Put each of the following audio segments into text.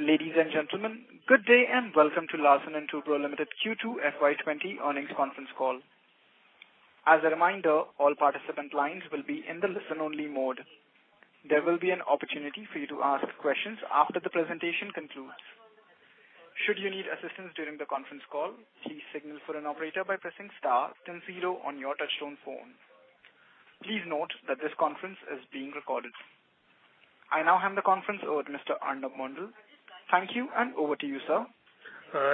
Ladies and gentlemen, good day, welcome to Larsen & Toubro Limited Q2 FY 2020 earnings conference call. As a reminder, all participant lines will be in the listen only mode. There will be an opportunity for you to ask questions after the presentation concludes. Should you need assistance during the conference call, please signal for an operator by pressing star then zero on your touchtone phone. Please note that this conference is being recorded. I now hand the conference over to Mr. Arnob Mondal. Thank you, over to you, sir.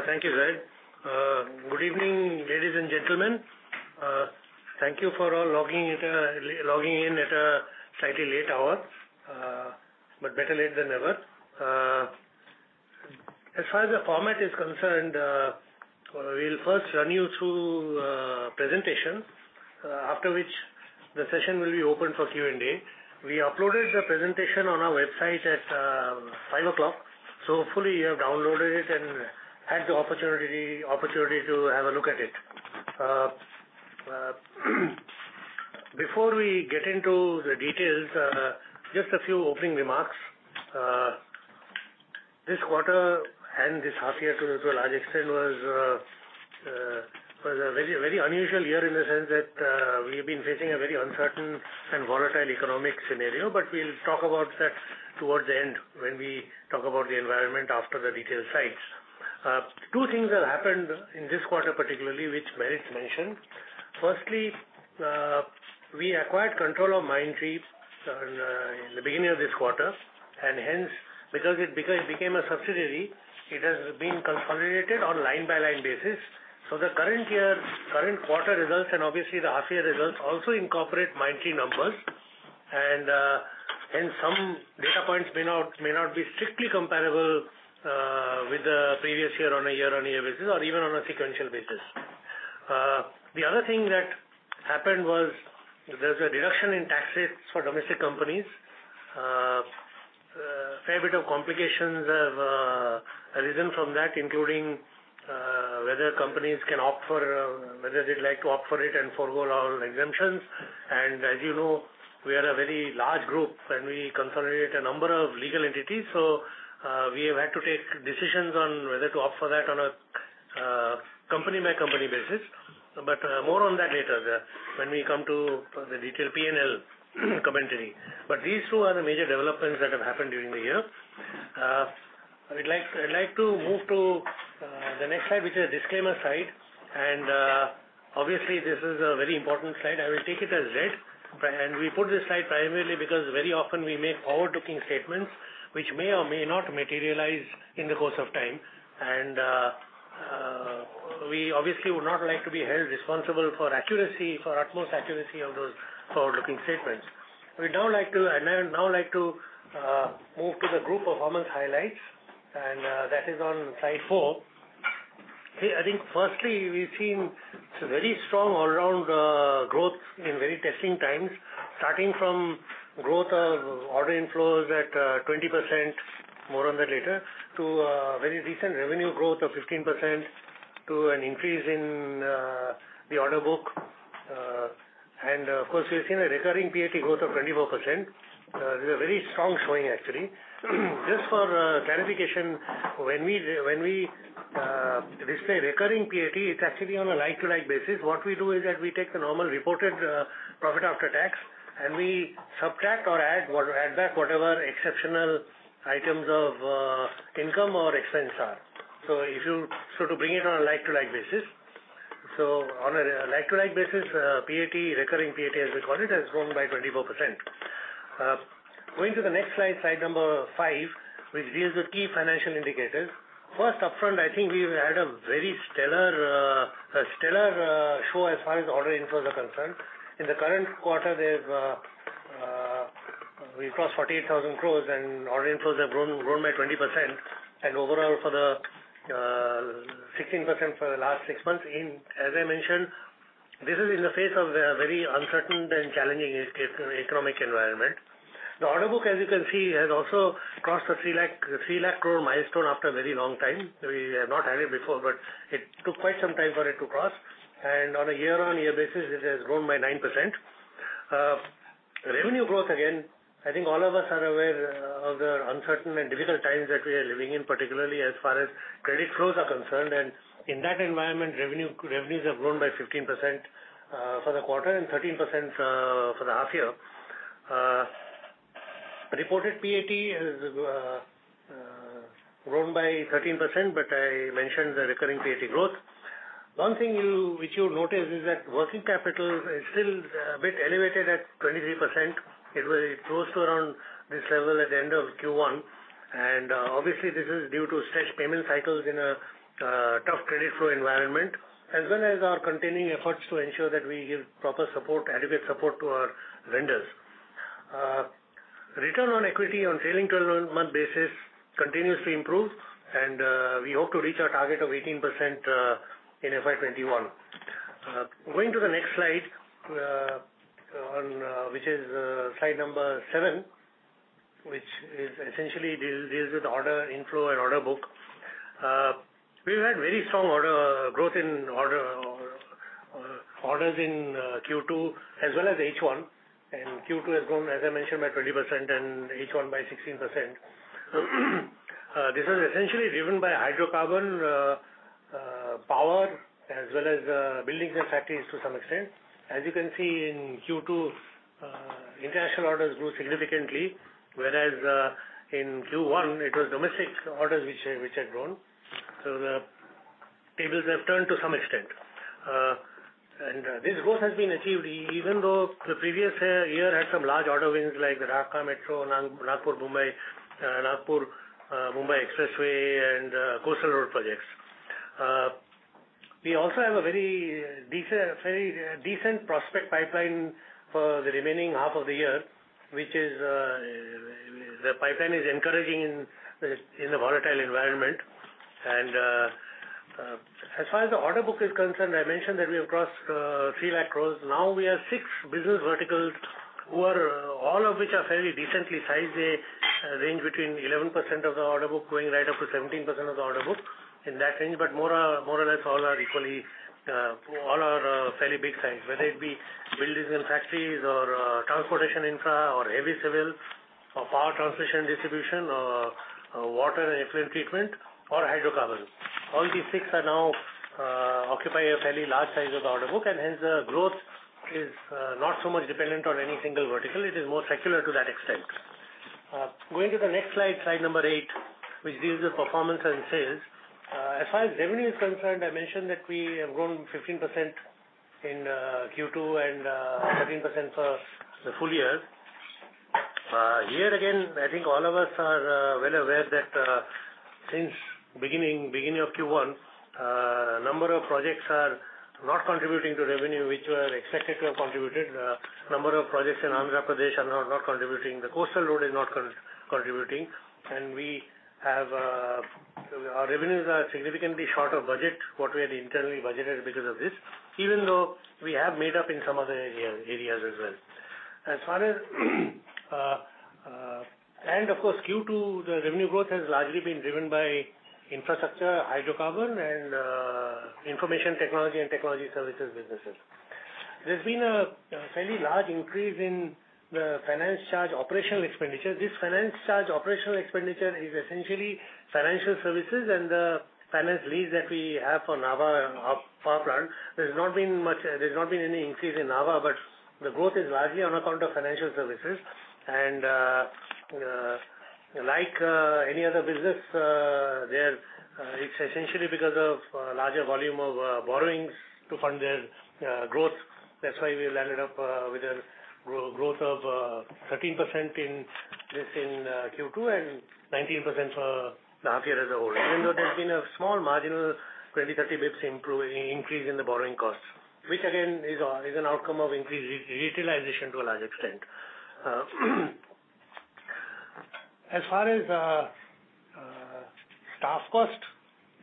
Thank you, Ray. Good evening, ladies and gentlemen. Thank you for all logging in at a slightly late hour, better late than never. As far as the format is concerned, we'll first run you through a presentation, after which the session will be open for Q&A. We uploaded the presentation on our website at five o'clock, hopefully you have downloaded it and had the opportunity to have a look at it. Before we get into the details, just a few opening remarks. This quarter and this half year to a large extent was a very unusual year in the sense that we've been facing a very uncertain and volatile economic scenario, we'll talk about that towards the end when we talk about the environment after the detailed slides. Two things have happened in this quarter particularly, which merits mention. Firstly, we acquired control of Mindtree in the beginning of this quarter, and hence, because it became a subsidiary, it has been consolidated on line-by-line basis. The current quarter results, and obviously the half year results also incorporate Mindtree numbers, and some data points may not be strictly comparable with the previous year on a year-on-year basis or even on a sequential basis. The other thing that happened was there was a reduction in tax rates for domestic companies. A fair bit of complications have arisen from that, including whether companies can opt for it and forego all exemptions. As you know, we are a very large group and we consolidate a number of legal entities. We have had to take decisions on whether to opt for that on a company-by-company basis. More on that later when we come to the detailed P&L commentary. These two are the major developments that have happened during the year. I'd like to move to the next slide, which is a disclaimer slide, obviously this is a very important slide. I will take it as read. We put this slide primarily because very often we make forward-looking statements which may or may not materialize in the course of time. We obviously would not like to be held responsible for utmost accuracy of those forward-looking statements. I now like to move to the group performance highlights, that is on slide four. I think firstly, we've seen some very strong all-around growth in very testing times, starting from growth of order inflows at 20%, more on that later, to a very decent revenue growth of 15%, to an increase in the order book. Of course, we've seen a recurring PAT growth of 24%. This is a very strong showing actually. Just for clarification, when we display recurring PAT, it's actually on a like-to-like basis. What we do is that we take the normal reported profit after tax, and we subtract or add back whatever exceptional items of income or expense are. So to bring it on a like-to-like basis. So on a like-to-like basis, recurring PAT, as we call it, has grown by 24%. Going to the next slide number 5, which deals with key financial indicators. First upfront, I think we've had a very stellar show as far as order inflows are concerned. In the current quarter, we crossed 48,000 crore and order inflows have grown by 20% and overall 16% for the last six months. As I mentioned, this is in the face of a very uncertain and challenging economic environment. The order book, as you can see, has also crossed the 3 lakh crore milestone after a very long time. We have not had it before, but it took quite some time for it to cross. On a year-on-year basis, it has grown by 9%. Revenue growth, again, I think all of us are aware of the uncertain and difficult times that we are living in, particularly as far as credit flows are concerned. In that environment, revenues have grown by 15% for the quarter and 13% for the half year. Reported PAT has grown by 13%. I mentioned the recurring PAT growth. One thing which you'll notice is that working capital is still a bit elevated at 23%. It was close to around this level at the end of Q1. Obviously this is due to stretched payment cycles in a tough credit flow environment, as well as our continuing efforts to ensure that we give proper adequate support to our vendors. Return on equity on trailing 12-month basis continuously improves. We hope to reach our target of 18% in FY 2021. Going to the next slide, which is slide number seven, which essentially deals with order inflow and order book. We've had very strong growth in orders in Q2 as well as H1. Q2 has grown, as I mentioned, by 20%, and H1 by 16%. This was essentially driven by hydrocarbon power as well as buildings and factories to some extent. As you can see in Q2, international orders grew significantly, whereas in Q1 it was domestic orders which had grown. The tables have turned to some extent. This growth has been achieved even though the previous year had some large order wins like the Dhaka Metro, Nagpur-Mumbai Expressway, and Coastal Road Projects. We also have a very decent prospect pipeline for the remaining half of the year, which is, the pipeline is encouraging in the volatile environment. As far as the order book is concerned, I mentioned that we have crossed 3 lakh crores. Now we have six business verticals, all of which are fairly decently sized. They range between 11% of the order book, going right up to 17% of the order book, in that range. More or less all are fairly big size, whether it be Buildings & Factories or Transportation Infra or Heavy Civil or Power Transmission & Distribution or Water & Effluent Treatment or Hydrocarbon. All these six now occupy a fairly large size of the order book, and hence the growth is not so much dependent on any single vertical. It is more secular to that extent. Going to the next slide number eight, which gives the performance and sales. As far as revenue is concerned, I mentioned that we have grown 15% in Q2 and 13% for the full year. Here again, I think all of us are well aware that since beginning of Q1, number of projects are not contributing to revenue, which were expected to have contributed. Number of projects in Andhra Pradesh are now not contributing. The Coastal Road is not contributing. Our revenues are significantly short of budget, what we had internally budgeted because of this, even though we have made up in some other areas as well. Of course, Q2, the revenue growth has largely been driven by Infrastructure, Hydrocarbon, and Information Technology and Technology Services businesses. There's been a fairly large increase in the finance charge operational expenditure. This finance charge operational expenditure is essentially financial services and the finance lease that we have for Nabha Power plant. There's not been any increase in Nabha, but the growth is largely on account of financial services. Like any other business, it's essentially because of larger volume of borrowings to fund their growth. That's why we landed up with a growth of 13% in this in Q2 and 19% for the half year as a whole, even though there's been a small marginal 20, 30 basis points increase in the borrowing costs. Which again, is an outcome of increased utilization to a large extent. As far as staff cost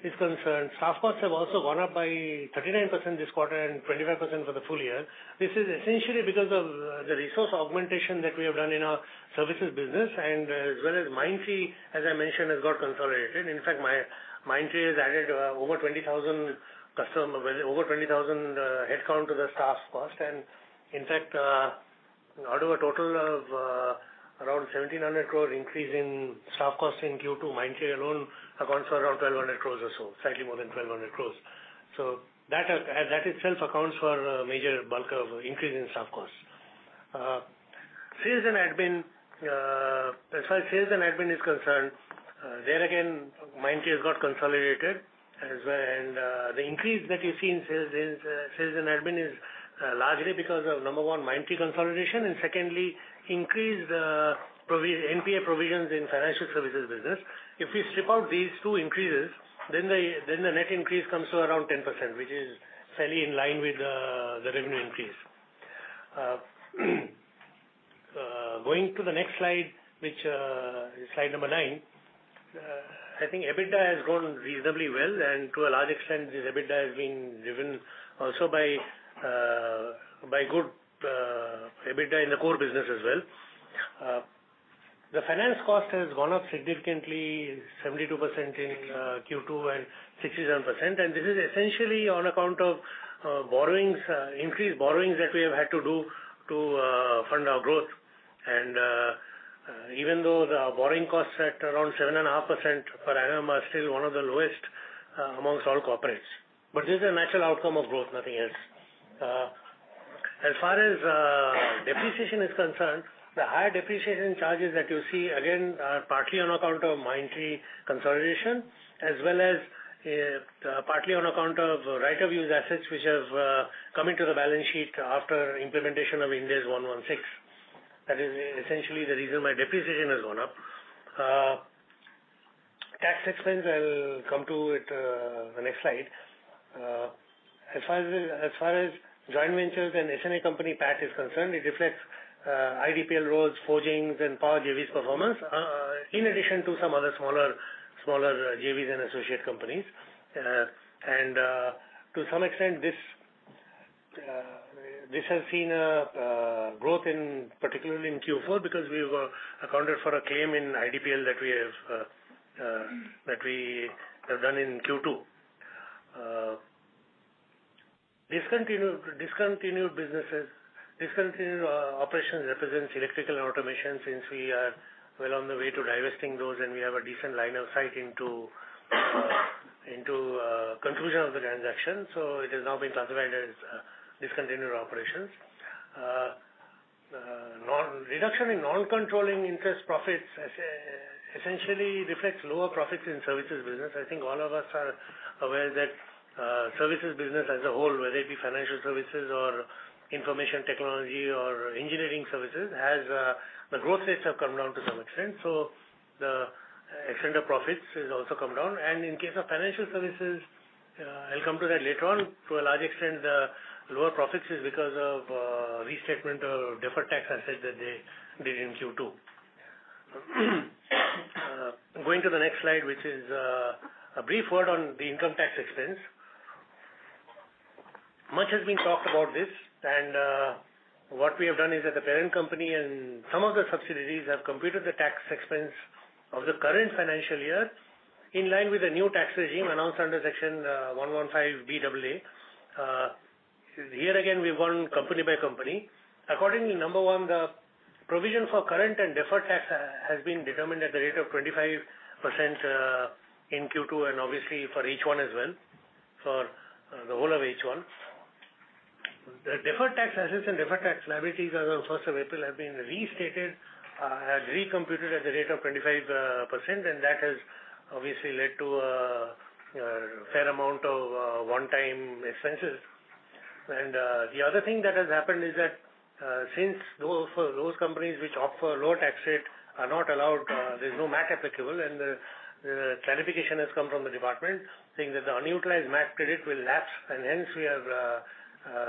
is concerned, staff costs have also gone up by 39% this quarter and 25% for the full year. This is essentially because of the resource augmentation that we have done in our services business, and as well as Mindtree, as I mentioned, has got consolidated. In fact, Mindtree has added over 20,000 headcount to the staff cost. In fact, out of a total of around 1,700 crore increase in staff cost in Q2, Mindtree alone accounts for around 1,200 crore or so, slightly more than 1,200 crore. That itself accounts for major bulk of increase in staff costs. As far as sales and admin is concerned, there again, Mindtree has got consolidated as well. The increase that you see in sales and admin is largely because of, number one, Mindtree consolidation, and secondly, increased NPA provisions in financial services business. If we strip out these two increases, then the net increase comes to around 10%, which is fairly in line with the revenue increase. Going to the next slide, which is slide number nine. I think EBITDA has grown reasonably well, and to a large extent, this EBITDA has been driven also by good EBITDA in the core business as well. The finance cost has gone up significantly, 72% in Q2 and 67%. This is essentially on account of increased borrowings that we have had to do to fund our growth. Even though the borrowing costs at around 7.5% per annum are still one of the lowest amongst all corporates. This is a natural outcome of growth, nothing else. As far as depreciation is concerned, the higher depreciation charges that you see again, are partly on account of Mindtree consolidation, as well as partly on account of right-of-use assets, which have come into the balance sheet after implementation of Ind AS 116. That is essentially the reason why depreciation has gone up. Tax expense, I'll come to it the next slide. As far as joint ventures and associated company PAT is concerned, it reflects IDPL roads, forgings, and power JVs performance, in addition to some other smaller JVs and associate companies. And to some extent, this has seen a growth particularly in Q4 because we've accounted for a claim in IDPL that we have done in Q2. Discontinued businesses. Discontinued operations represents Electrical Automation since we are well on the way to divesting those, and we have a decent line of sight into conclusion of the transaction. It has now been classified as discontinued operations. Reduction in non-controlling interest profits essentially reflects lower profits in services business. I think all of us are aware that services business as a whole, whether it be financial services or information technology or engineering services, the growth rates have come down to some extent. The extent of profits has also come down. In case of financial services, I'll come to that later on. To a large extent, the lower profits is because of restatement of deferred tax assets that they did in Q2. Going to the next slide, which is a brief word on the income tax expense. Much has been talked about this, and what we have done is that the parent company and some of the subsidiaries have computed the tax expense of the current financial year in line with the new tax regime announced under Section 115BAA. Here again, we've gone company by company. Accordingly, number one, the provision for current and deferred tax has been determined at the rate of 25% in Q2, and obviously for H1 as well, for the whole of H1. The deferred tax assets and deferred tax liabilities as of 1st of April have been restated and recomputed at the rate of 25%, and that has obviously led to a fair amount of one-time expenses. The other thing that has happened is that since those companies which offer low tax rate are not allowed, there's no MAT applicable, and the clarification has come from the department saying that the unutilized MAT credit will lapse. Hence,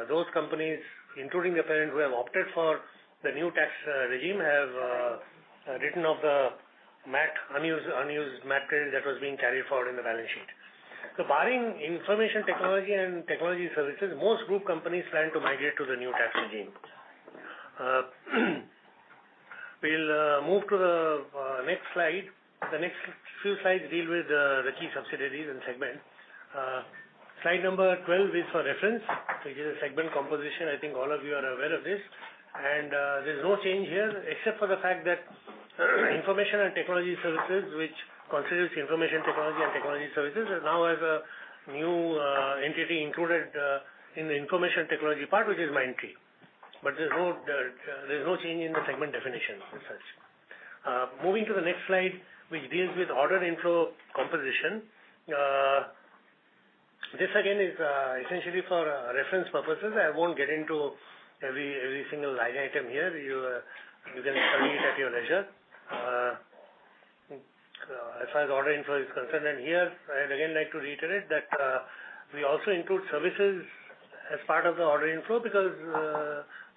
those companies, including the parent who have opted for the new tax regime, have written off the unused MAT credit that was being carried forward in the balance sheet. Barring information technology and technology services, most group companies plan to migrate to the new tax regime. We'll move to the next slide. The next few slides deal with the key subsidiaries and segments. Slide number 12 is for reference, which is a segment composition. I think all of you are aware of this. There's no change here except for the fact that Information and Technology Services, which considers information technology and technology services, now has a new entity included in the information technology part, which is Mindtree. There's no change in the segment definition as such. Moving to the next slide, which deals with order inflow composition. This again is essentially for reference purposes. I won't get into every single line item here. You can study it at your leisure. As far as order inflow is concerned, and here I'd again like to reiterate that we also include services as part of the order inflow because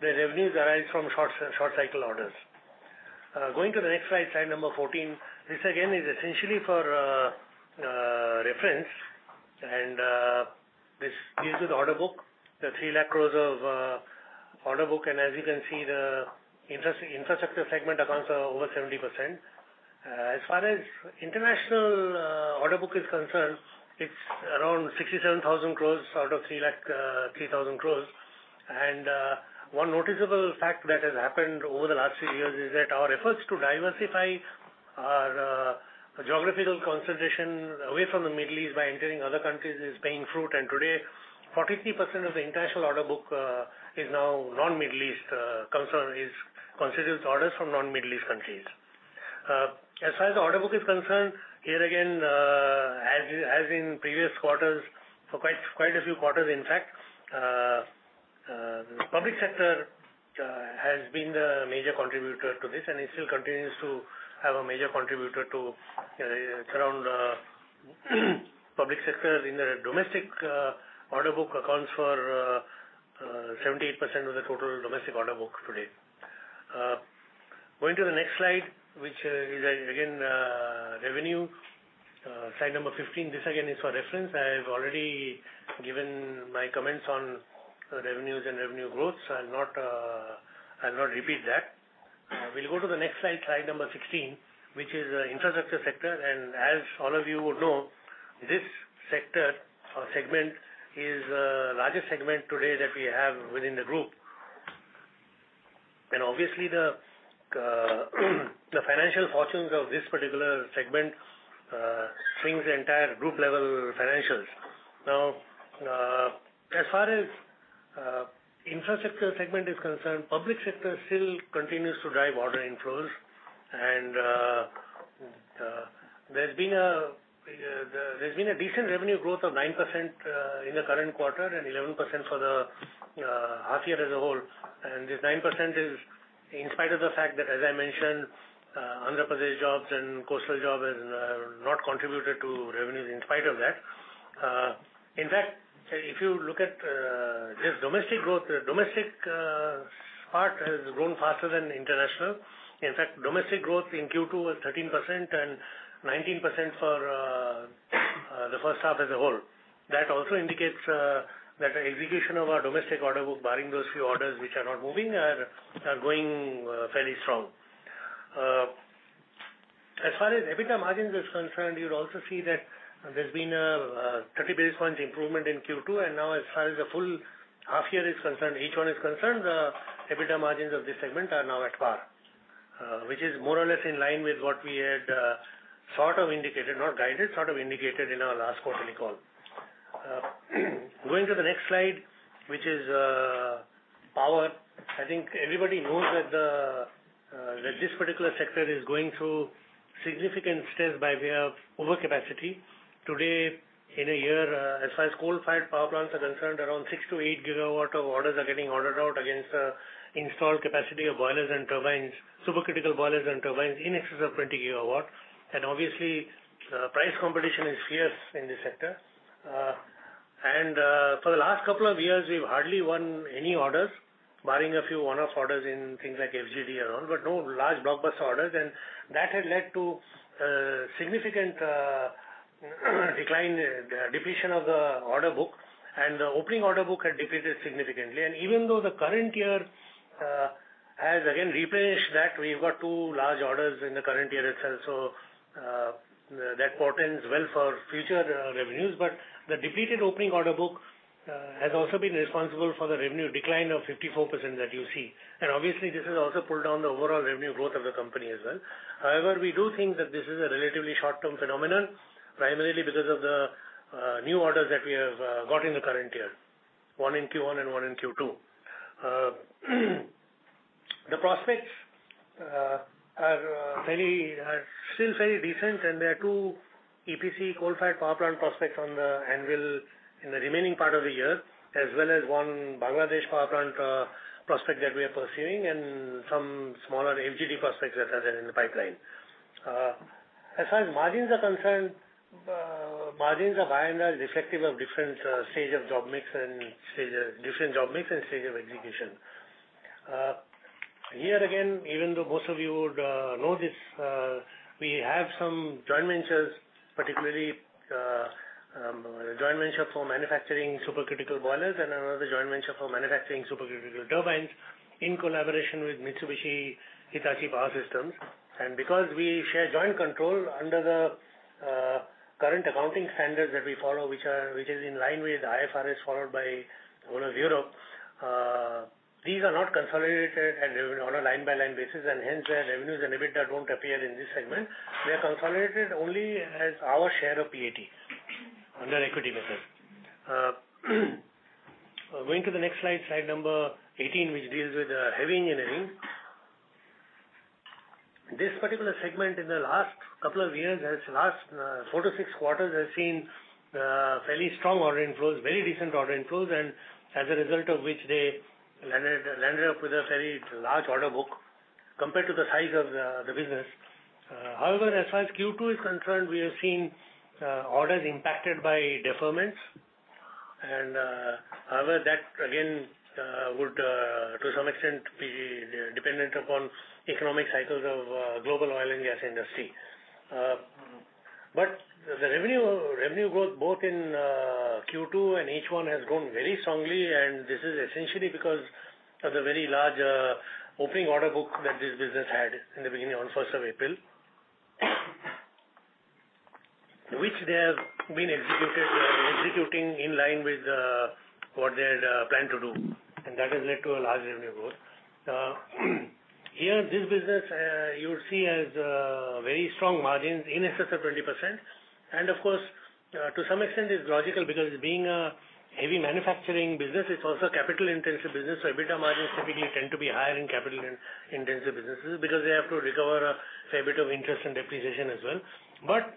the revenues arise from short cycle orders. Going to the next slide number 14. This again is essentially for reference, and this deals with the order book. The 3 lakh crore of order book, as you can see, the infrastructure segment accounts for over 70%. As far as international order book is concerned, it's around 67,000 crore out of 303,000 crore. One noticeable fact that has happened over the last few years is that our efforts to diversify our geographical concentration away from the Middle East by entering other countries is bearing fruit. Today, 43% of the international order book consists of orders from non-Middle East countries. As far as the order book is concerned, here again, as in previous quarters, for quite a few quarters, in fact, the Public Sector has been the major contributor to this and it still continues to have a major contributor to around Public Sector in the domestic order book accounts for 78% of the total domestic order book today. Going to the next slide, which is again revenue, slide 15. This again is for reference. I have already given my comments on revenues and revenue growth. I'll not repeat that. We'll go to the next slide 16, which is infrastructure sector. As all of you would know, this segment is the largest segment today that we have within the group. Obviously, the financial fortunes of this particular segment swings the entire group-level financials. Now, as far as infrastructure segment is concerned, public sector still continues to drive order inflows. There's been a decent revenue growth of 9% in the current quarter and 11% for the half year as a whole. This 9% is in spite of the fact that, as I mentioned, Andhra Pradesh jobs and coastal job have not contributed to revenues in spite of that. In fact, if you look at this domestic growth, domestic part has grown faster than international. In fact, domestic growth in Q2 was 13% and 19% for the first half as a whole. That also indicates that the execution of our domestic order book, barring those few orders which are not moving, are going fairly strong. As far as EBITDA margins are concerned, you'll also see that there's been a 30 basis point improvement in Q2, and now as far as the full half year is concerned, H1 is concerned, the EBITDA margins of this segment are now at par, which is more or less in line with what we had sort of indicated, not guided, sort of indicated in our last quarterly call. Going to the next slide, which is power. I think everybody knows that this particular sector is going through significant stress by way of overcapacity. Today, in a year, as far as coal-fired power plants are concerned, around 6-8 gigawatt of orders are getting ordered out against the installed capacity of boilers and turbines, supercritical boilers and turbines in excess of 20 gigawatts. Obviously, price competition is fierce in this sector. For the last couple of years, we've hardly won any orders, barring a few one-off orders in things like FGD and all, but no large blockbuster orders. That has led to a significant decline, depletion of the order book, and the opening order book had depleted significantly. Even though the current year has again replenished that, we've got two large orders in the current year itself, so that portends well for future revenues. The depleted opening order book has also been responsible for the revenue decline of 54% that you see. Obviously, this has also pulled down the overall revenue growth of the company as well. However, we do think that this is a relatively short-term phenomenon, primarily because of the new orders that we have got in the current year, one in Q1 and one in Q2. The prospects are still very decent. There are two EPC coal-fired power plant prospects on the anvil in the remaining part of the year, as well as one Bangladesh power plant prospect that we are pursuing and some smaller FGD prospects that are there in the pipeline. As far as margins are concerned, margins are by and large reflective of different job mix and stage of execution. Here again, even though most of you would know this, we have some joint ventures, particularly a joint venture for manufacturing supercritical boilers and another joint venture for manufacturing supercritical turbines in collaboration with Mitsubishi Hitachi Power Systems. Because we share joint control under the current accounting standards that we follow, which is in line with IFRS followed by all of Europe, these are not consolidated on a line-by-line basis, and hence their revenues and EBITDA don't appear in this segment. They're consolidated only as our share of PAT under equity method. Going to the next slide number 18, which deals with heavy engineering. This particular segment in the last couple of years, that's the last 4 to 6 quarters, has seen fairly strong order inflows, very decent order inflows, and as a result of which they landed up with a very large order book compared to the size of the business. However, as far as Q2 is concerned, we have seen orders impacted by deferments. However, that again would, to some extent, be dependent upon economic cycles of global oil and gas industry. The revenue growth both in Q2 and H1 has grown very strongly, and this is essentially because of the very large opening order book that this business had in the beginning on 1st of April, which they have been executing in line with what they had planned to do, and that has led to a large revenue growth. Here, this business you'll see has very strong margins in excess of 20%. Of course, to some extent, it's logical because being a heavy manufacturing business, it's also a capital-intensive business. EBITDA margins typically tend to be higher in capital-intensive businesses because they have to recover a fair bit of interest and depreciation as well.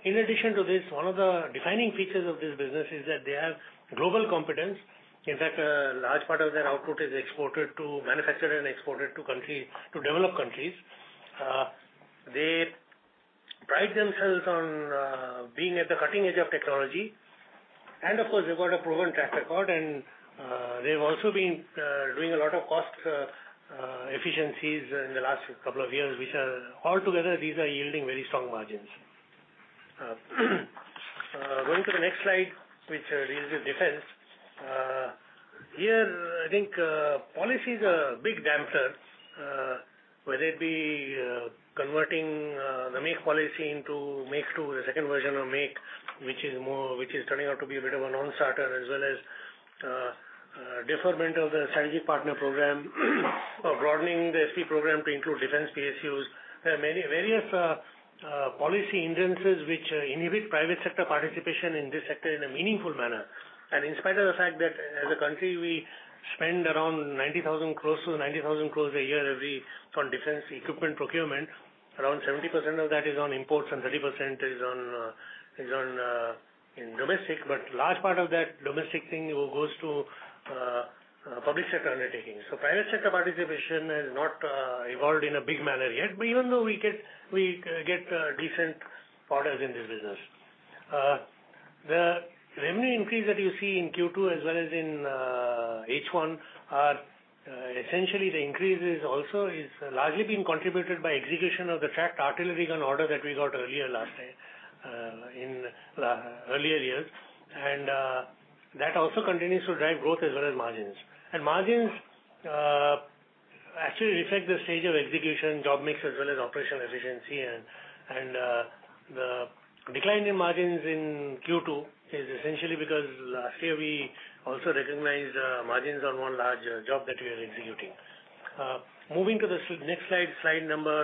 In addition to this, one of the defining features of this business is that they have global competence. In fact, a large part of their output is manufactured and exported to developed countries. They pride themselves on being at the cutting edge of technology. Of course, they've got a proven track record, and they've also been doing a lot of cost efficiencies in the last couple of years, which altogether, these are yielding very strong margins. Going to the next slide, which deals with defense. Here, I think policy is a big damper, whether it be converting the Make policy into Make-II, the second version of Make, which is turning out to be a bit of a non-starter, as well as deferment of the Strategic Partner program or broadening the SP program to include defense PSUs. There are various policy impediments which inhibit private sector participation in this sector in a meaningful manner. In spite of the fact that as a country, we spend around 90,000 crore a year on defense equipment procurement, around 70% of that is on imports and 30% is in domestic, but large part of that domestic thing goes to public sector undertakings. Private sector participation has not evolved in a big manner yet, but even though we get decent orders in this business. The revenue increase that you see in Q2 as well as in H1 are essentially the increases also is largely being contributed by execution of the tracked artillery gun order that we got earlier last year in earlier years. That also continues to drive growth as well as margins. Margins actually reflect the stage of execution, job mix, as well as operational efficiency. The decline in margins in Q2 is essentially because last year we also recognized margins on one large job that we are executing. Moving to the next slide number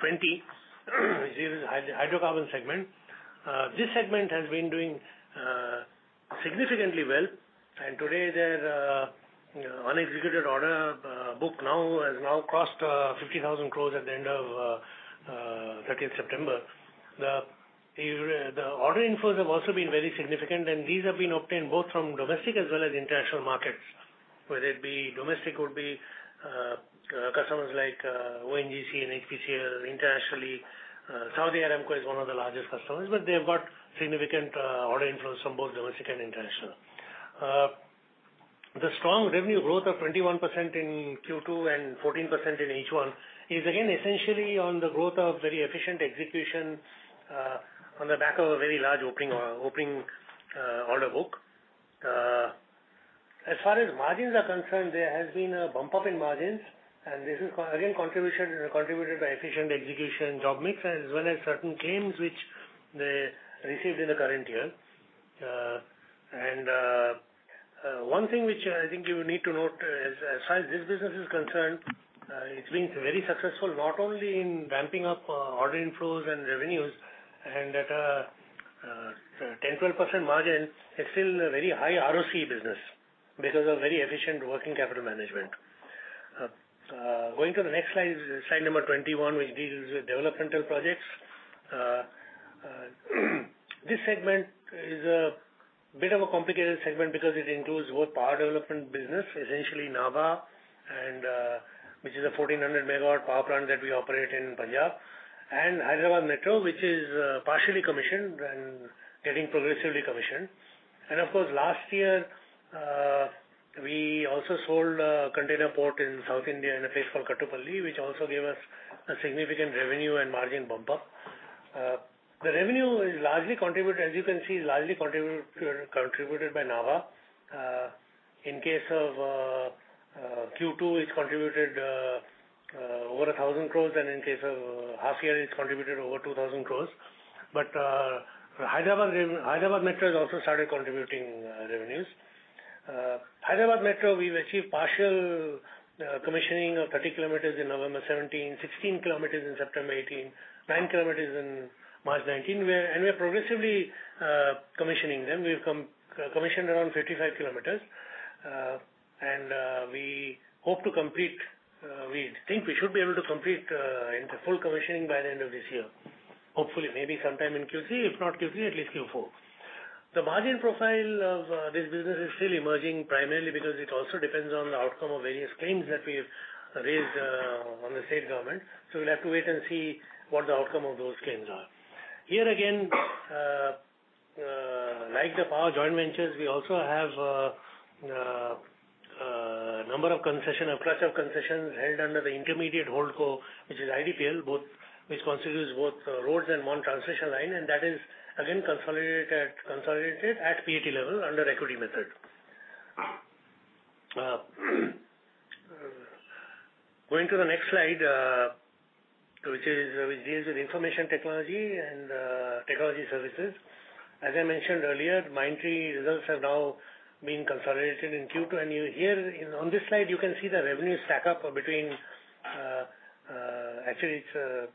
20, this is hydrocarbon segment. This segment has been doing significantly well, and today their unexecuted order book now has now crossed 50,000 crore at the end of 30th September. The order inflows have also been very significant, and these have been obtained both from domestic as well as international markets. Whether it be domestic, would be customers like ONGC and HPCL. Internationally, Saudi Aramco is one of the largest customers, but they've got significant order inflows from both domestic and international. The strong revenue growth of 21% in Q2 and 14% in H1 is again essentially on the growth of very efficient execution on the back of a very large opening order book. As far as margins are concerned, there has been a bump up in margins, and this is again contributed by efficient execution, job mix as well as certain claims which they received in the current year. One thing which I think you need to note as far as this business is concerned, it has been very successful, not only in ramping up order inflows and revenues at a 10, 12% margin, it is still a very high ROC business because of very efficient working capital management. Going to the next slide number 21, which deals with developmental projects. This segment is a bit of a complicated segment because it includes both power development business, essentially Nabha Power, which is a 1,400-megawatt power plant that we operate in Punjab, and Hyderabad Metro, which is partially commissioned and getting progressively commissioned. Of course, last year, we also sold a container port in South India in a place called Kattupalli, which also gave us a significant revenue and margin bump up. The revenue, as you can see, is largely contributed by Nabha Power. In case of Q2, it's contributed over 1,000 crore. In case of half year, it's contributed over 2,000 crore. Hyderabad Metro has also started contributing revenues. Hyderabad Metro, we've achieved partial commissioning of 30 kilometers in November 2017, 16 kilometers in September 2018, nine kilometers in March 2019. We are progressively commissioning them. We've commissioned around 55 kilometers. We think we should be able to complete the full commissioning by the end of this year. Hopefully, maybe sometime in Q3, if not Q3, at least Q4. The margin profile of this business is still emerging, primarily because it also depends on the outcome of various claims that we've raised on the state government. We'll have to wait and see what the outcome of those claims are. Here again, like the power joint ventures, we also have a number of concession or cluster of concessions held under the intermediate holdco, which is IDPL, which constitutes both roads and one transmission line, and that is again consolidated at PAT level under equity method. Going to the next slide, which deals with information technology and technology services. As I mentioned earlier, Mindtree results have now been consolidated in Q2. On this slide, you can see the revenue stack up between LTI,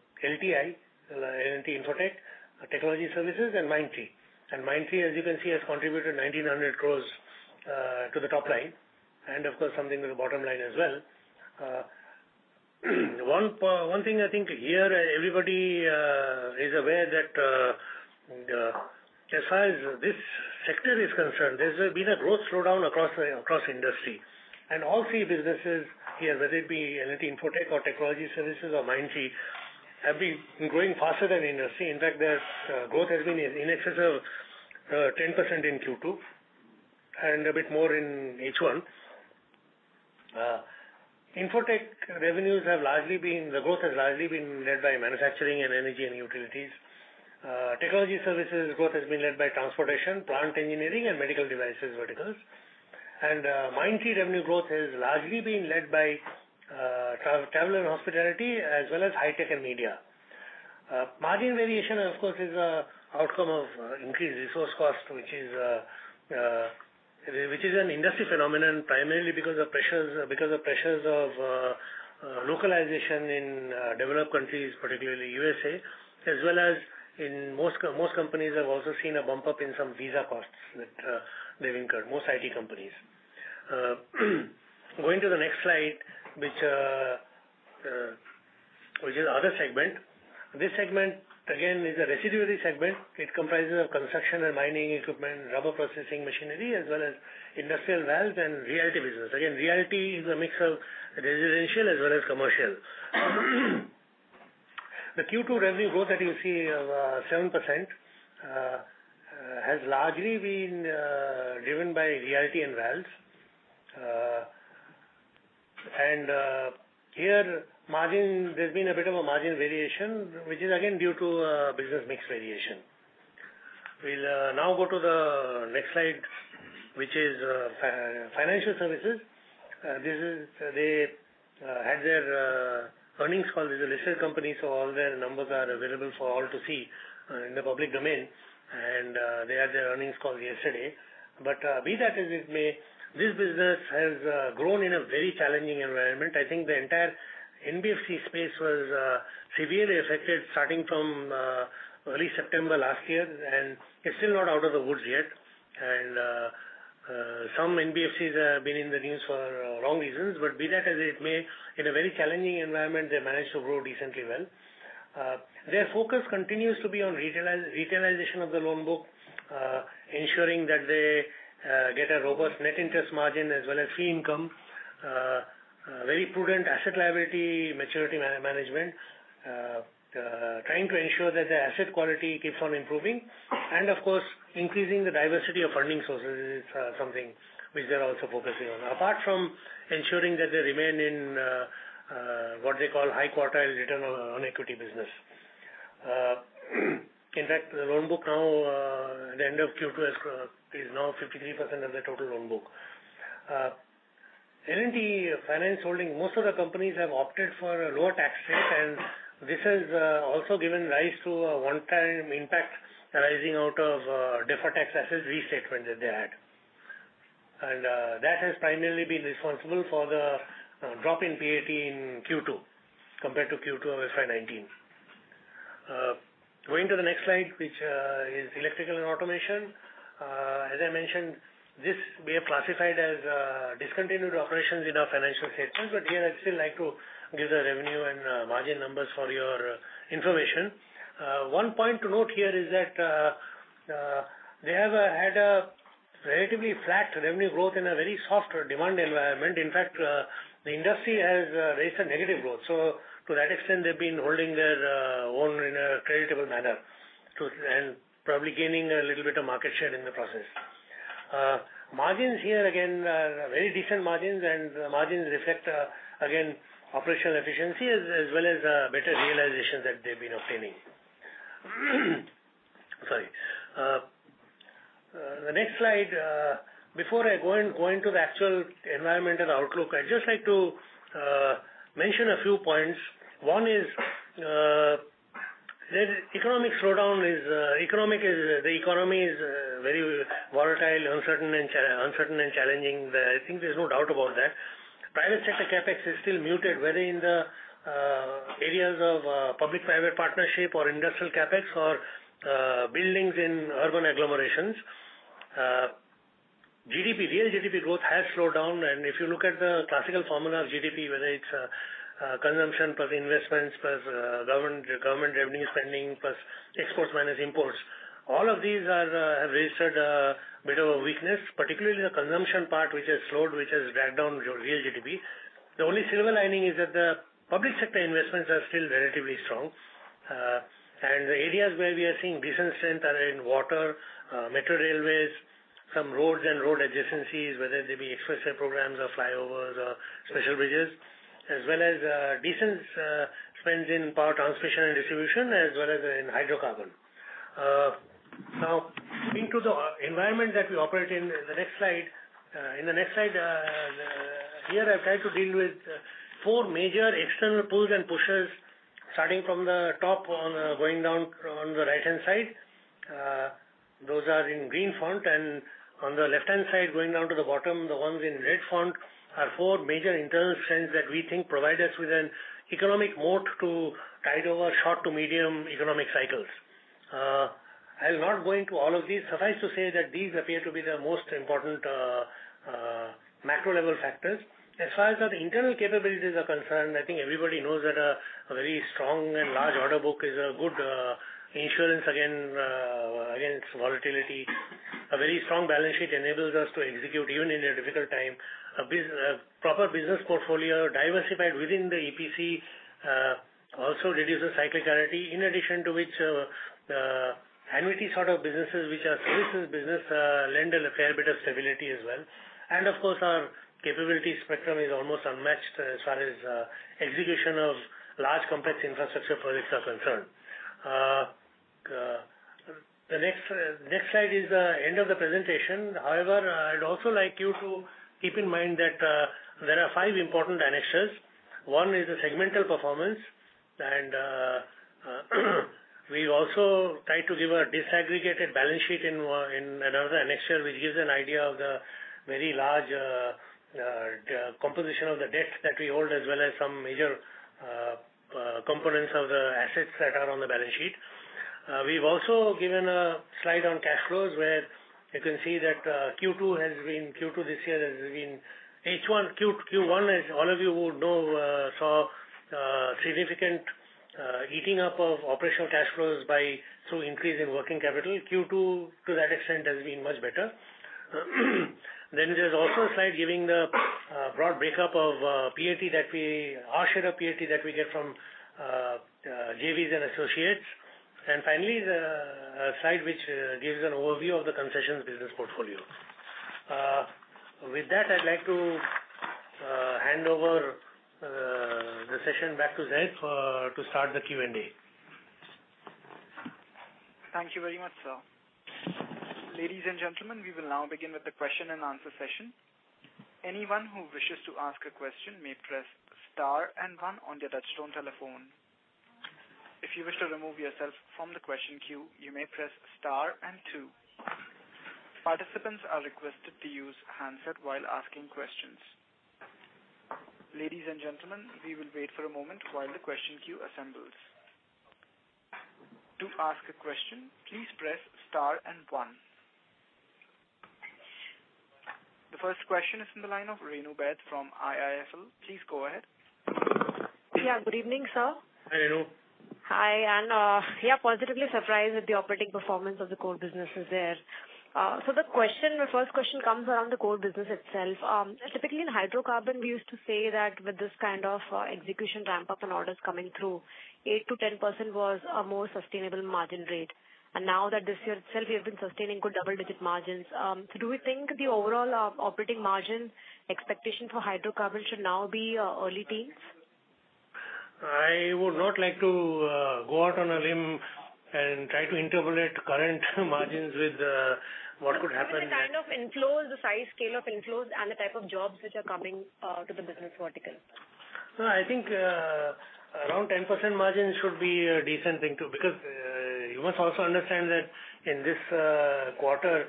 L&T Infotech, technology services, and Mindtree. Mindtree, as you can see, has contributed 1,900 crores to the top line, and of course, something to the bottom line as well. One thing I think here, everybody is aware that as far as this sector is concerned, there's been a growth slowdown across the industry. All three businesses here, whether it be L&T Infotech or technology services or Mindtree, have been growing faster than industry. Their growth has been in excess of 10% in Q2, a bit more in H1. Infotech revenues, the growth has largely been led by manufacturing and energy and utilities. Technology services growth has been led by transportation, plant engineering, and medical devices verticals. Mindtree revenue growth has largely been led by travel and hospitality as well as high tech and media. Margin variation, of course, is an outcome of increased resource cost, which is an industry phenomenon, primarily because of pressures of localization in developed countries, particularly U.S., as well as most companies have also seen a bump up in some visa costs that they've incurred, most IT companies. Going to the next slide, which is other segment. This segment, again, is a residuary segment. It comprises of construction and mining equipment, rubber processing machinery, as well as industrial valve and Realty business. Realty is a mix of residential as well as commercial. The Q2 revenue growth that you see of 7% has largely been driven by Realty and Valves. Here, there's been a bit of a margin variation, which is again due to business mix variation. We'll now go to the next slide, which is Financial Services. They had their earnings call as a listed company, so all their numbers are available for all to see in the public domain. They had their earnings call yesterday. Be that as it may, this business has grown in a very challenging environment. I think the entire NBFC space was severely affected starting from early September last year, and it's still not out of the woods yet. Some NBFCs have been in the news for wrong reasons, but be that as it may, in a very challenging environment, they managed to grow decently well. Their focus continues to be on retailization of the loan book ensuring that they get a robust net interest margin as well as fee income. Very prudent asset liability maturity management trying to ensure that their asset quality keeps on improving and of course, increasing the diversity of funding sources is something which they're also focusing on. Apart from ensuring that they remain in what they call high quartile return on equity business. In fact, the loan book now at the end of Q2 is now 53% of the total loan book. L&T Finance Holdings, most of the companies have opted for a lower tax rate. This has also given rise to a one-time impact arising out of deferred tax assets restatement that they had. That has primarily been responsible for the drop in PAT in Q2 compared to Q2 of FY 2019. Going to the next slide, which is Electrical & Automation. As I mentioned, we have classified this as discontinued operations in our financial statements, here I'd still like to give the revenue and margin numbers for your information. One point to note here is that they have had a relatively flat revenue growth in a very soft demand environment. In fact, the industry has recent negative growth. To that extent, they've been holding their own in a creditable manner and probably gaining a little bit of market share in the process. Margins here again are very decent margins and margins reflect again operational efficiency as well as better realizations that they've been obtaining. Sorry. The next slide. Before I go into the actual environment and outlook, I'd just like to mention a few points. One is the economy is very volatile, uncertain and challenging. I think there's no doubt about that. Private sector CapEx is still muted, whether in the areas of public-private partnership or industrial CapEx or buildings in urban agglomerations. Real GDP growth has slowed down and if you look at the classical formula of GDP, whether it's consumption plus investments plus government revenue spending plus exports minus imports, all of these have registered a bit of a weakness, particularly the consumption part which has slowed, which has dragged down real GDP. The only silver lining is that the public sector investments are still relatively strong and the areas where we are seeing decent strength are in water, metro railways, some Roads and road adjacencies, whether they be expressway programs or flyovers or special bridges, as well as decent spends in Power Transmission & Distribution as well as in hydrocarbon. Into the environment that we operate in. The next slide. In the next slide, here I've tried to deal with four major external pulls and pushes starting from the top going down on the right-hand side. Those are in green font and on the left-hand side going down to the bottom, the ones in red font are four major internal strengths that we think provide us with an economic moat to tide over short to medium economic cycles. I'll not go into all of these. Suffice to say that these appear to be the most important macro level factors. As far as our internal capabilities are concerned, I think everybody knows that a very strong and large order book is a good insurance against volatility. A very strong balance sheet enables us to execute even in a difficult time. A proper business portfolio diversified within the EPC also reduces cyclicality, in addition to which the annuity sort of businesses which are services business lend a fair bit of stability as well. Of course our capability spectrum is almost unmatched as far as execution of large complex infrastructure projects are concerned. The next slide is the end of the presentation. However, I'd also like you to keep in mind that there are five important annexures. One is the segmental performance. We also try to give a disaggregated balance sheet in another annexure which gives an idea of the very large composition of the debt that we hold as well as some major components of the assets that are on the balance sheet. We've also given a slide on cash flows where you can see that Q2 this year has been Q1 as all of you would know saw significant eating up of operational cash flows through increase in working capital. Q2 to that extent has been much better. There's also a slide giving the broad breakup of our share of PAT that we get from JVs and associates. Finally, the slide which gives an overview of the concessions business portfolio. With that, I'd like to hand over the session back to Zaid to start the Q&A. Thank you very much, sir. Ladies and gentlemen, we will now begin with the question and answer session. Anyone who wishes to ask a question may press Star and One on your touchtone telephone. If you wish to remove yourself from the question queue, you may press Star and Two. Participants are requested to use a handset while asking questions. Ladies and gentlemen, we will wait for a moment while the question queue assembles. To ask a question, please press Star and One. The first question is from the line of Renu Baid from IIFL. Please go ahead. Yeah. Good evening, sir. Hi, Renu. Hi. Yeah, positively surprised with the operating performance of the core businesses there. The first question comes around the core business itself. Typically, in hydrocarbon, we used to say that with this kind of execution ramp-up and orders coming through, 8%-10% was a more sustainable margin rate. Now that this year itself we have been sustaining good double-digit margins. Do we think the overall operating margin expectation for hydrocarbon should now be early teens? I would not like to go out on a limb and try to interpolate current margins with what could happen. With the kind of inflows, the size scale of inflows, and the type of jobs which are coming to the business vertical. No, I think around 10% margin should be a decent thing, too, because you must also understand that in this quarter,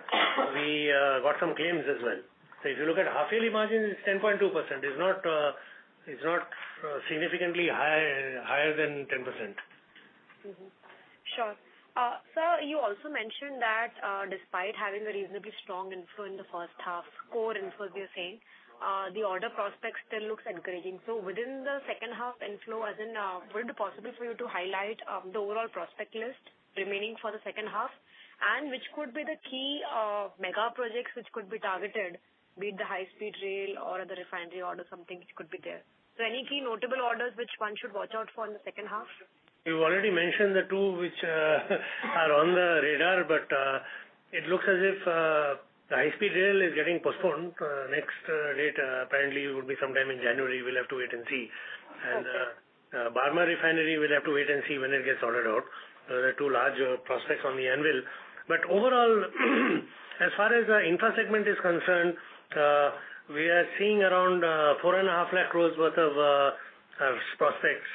we got some claims as well. If you look at half-yearly margin, it's 10.2%. It's not significantly higher than 10%. Mm-hmm. Sure. Sir, you also mentioned that despite having a reasonably strong inflow in the first half, core inflows we are saying, the order prospects still looks encouraging. Within the second half inflow, would it be possible for you to highlight the overall prospect list remaining for the second half? Which could be the key mega projects which could be targeted, be it the high-speed rail or other refinery orders, something which could be there. Any key notable orders which one should watch out for in the second half? We've already mentioned the two which are on the radar, but it looks as if the high-speed rail is getting postponed. Next date apparently would be sometime in January. We'll have to wait and see. Okay. Barmer Refinery, we'll have to wait and see when it gets ordered out. Those are two large prospects on the anvil. Overall, as far as the infra segment is concerned, we are seeing around 4.5 lakh crores worth of prospects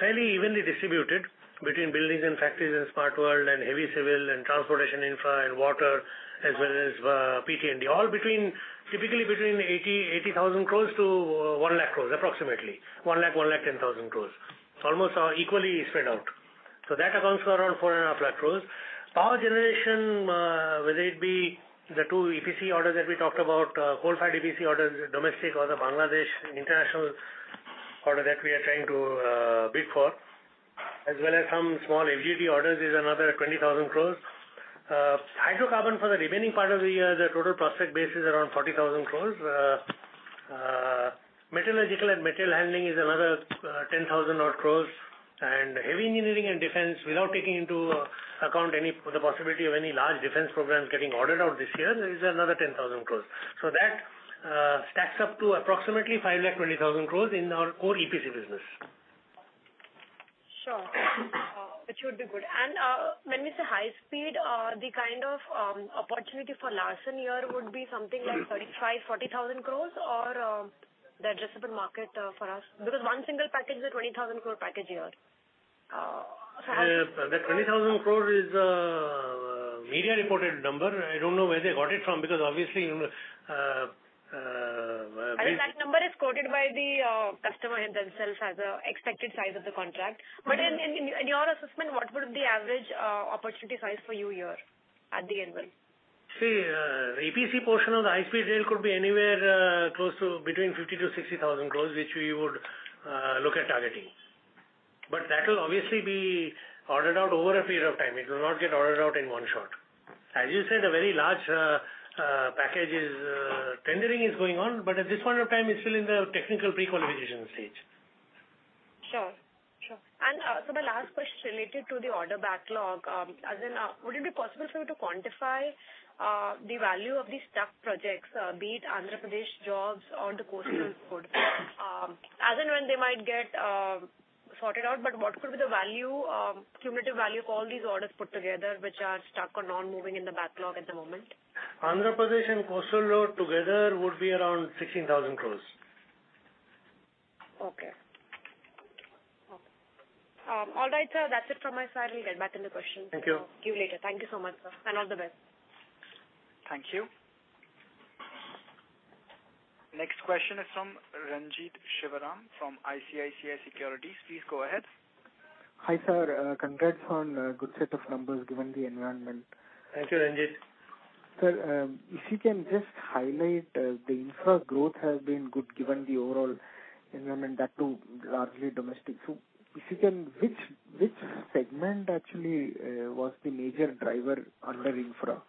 fairly evenly distributed between buildings and factories in Smart World and heavy civil and transportation infra and water, as well as PT&D. All typically between 80,000 crores-1 lakh crores, approximately. 1 lakh-1.1 lakh crores. It's almost equally spread out. It accounts for around 4.5 lakh crores. Power generation, whether it be the two EPC orders that we talked about, coal-fired EPC orders, domestic or the Bangladesh international order that we are trying to bid for, as well as some small FGD orders is another 20,000 crores. Hydrocarbon for the remaining part of the year, the total prospect base is around 40,000 crore. Metallurgical and material handling is another 10,000 odd crore. Heavy engineering and defense, without taking into account the possibility of any large defense programs getting ordered out this year, is another 10,000 crore. That stacks up to approximately 5,20,000 crore in our core EPC business. Sure. Which would be good. When we say high speed, the kind of opportunity for Larsen here would be something like 35,000 crore, 40,000 crore or the addressable market for us, because one single package is a 20,000 crore package a year. That 20,000 crore is a media-reported number. I don't know where they got it from. I think that number is quoted by the customer themselves as an expected size of the contract. In your assessment, what would be the average opportunity size for you here at the anvil? See, EPC portion of the high-speed rail could be anywhere close to between 50,000 crores to 60,000 crores, which we would look at targeting. That will obviously be ordered out over a period of time. It will not get ordered out in one shot. As you said, a very large package's tendering is going on, but at this point of time, it's still in the technical prequalification stage. Sure. The last question related to the order backlog, as in, would it be possible for you to quantify the value of the stuck projects, be it Andhra Pradesh jobs or the coastal road? As in when they might get sorted out, what could be the cumulative value for all these orders put together which are stuck or non-moving in the backlog at the moment? Andhra Pradesh and coastal road together would be around 16,000 crores. Okay. All right, sir. That's it from my side. We'll get back in the questions. Thank you. To you later. Thank you so much, sir. All the best. Thank you. Next question is from Ranjit Shivaraman from ICICI Securities. Please go ahead. Hi, sir. Congrats on a good set of numbers given the environment. Thank you, Ranjit. Sir, if you can just highlight the infra growth has been good given the overall. I mean that too, largely domestic. If you can, which segment actually was the major driver under infra?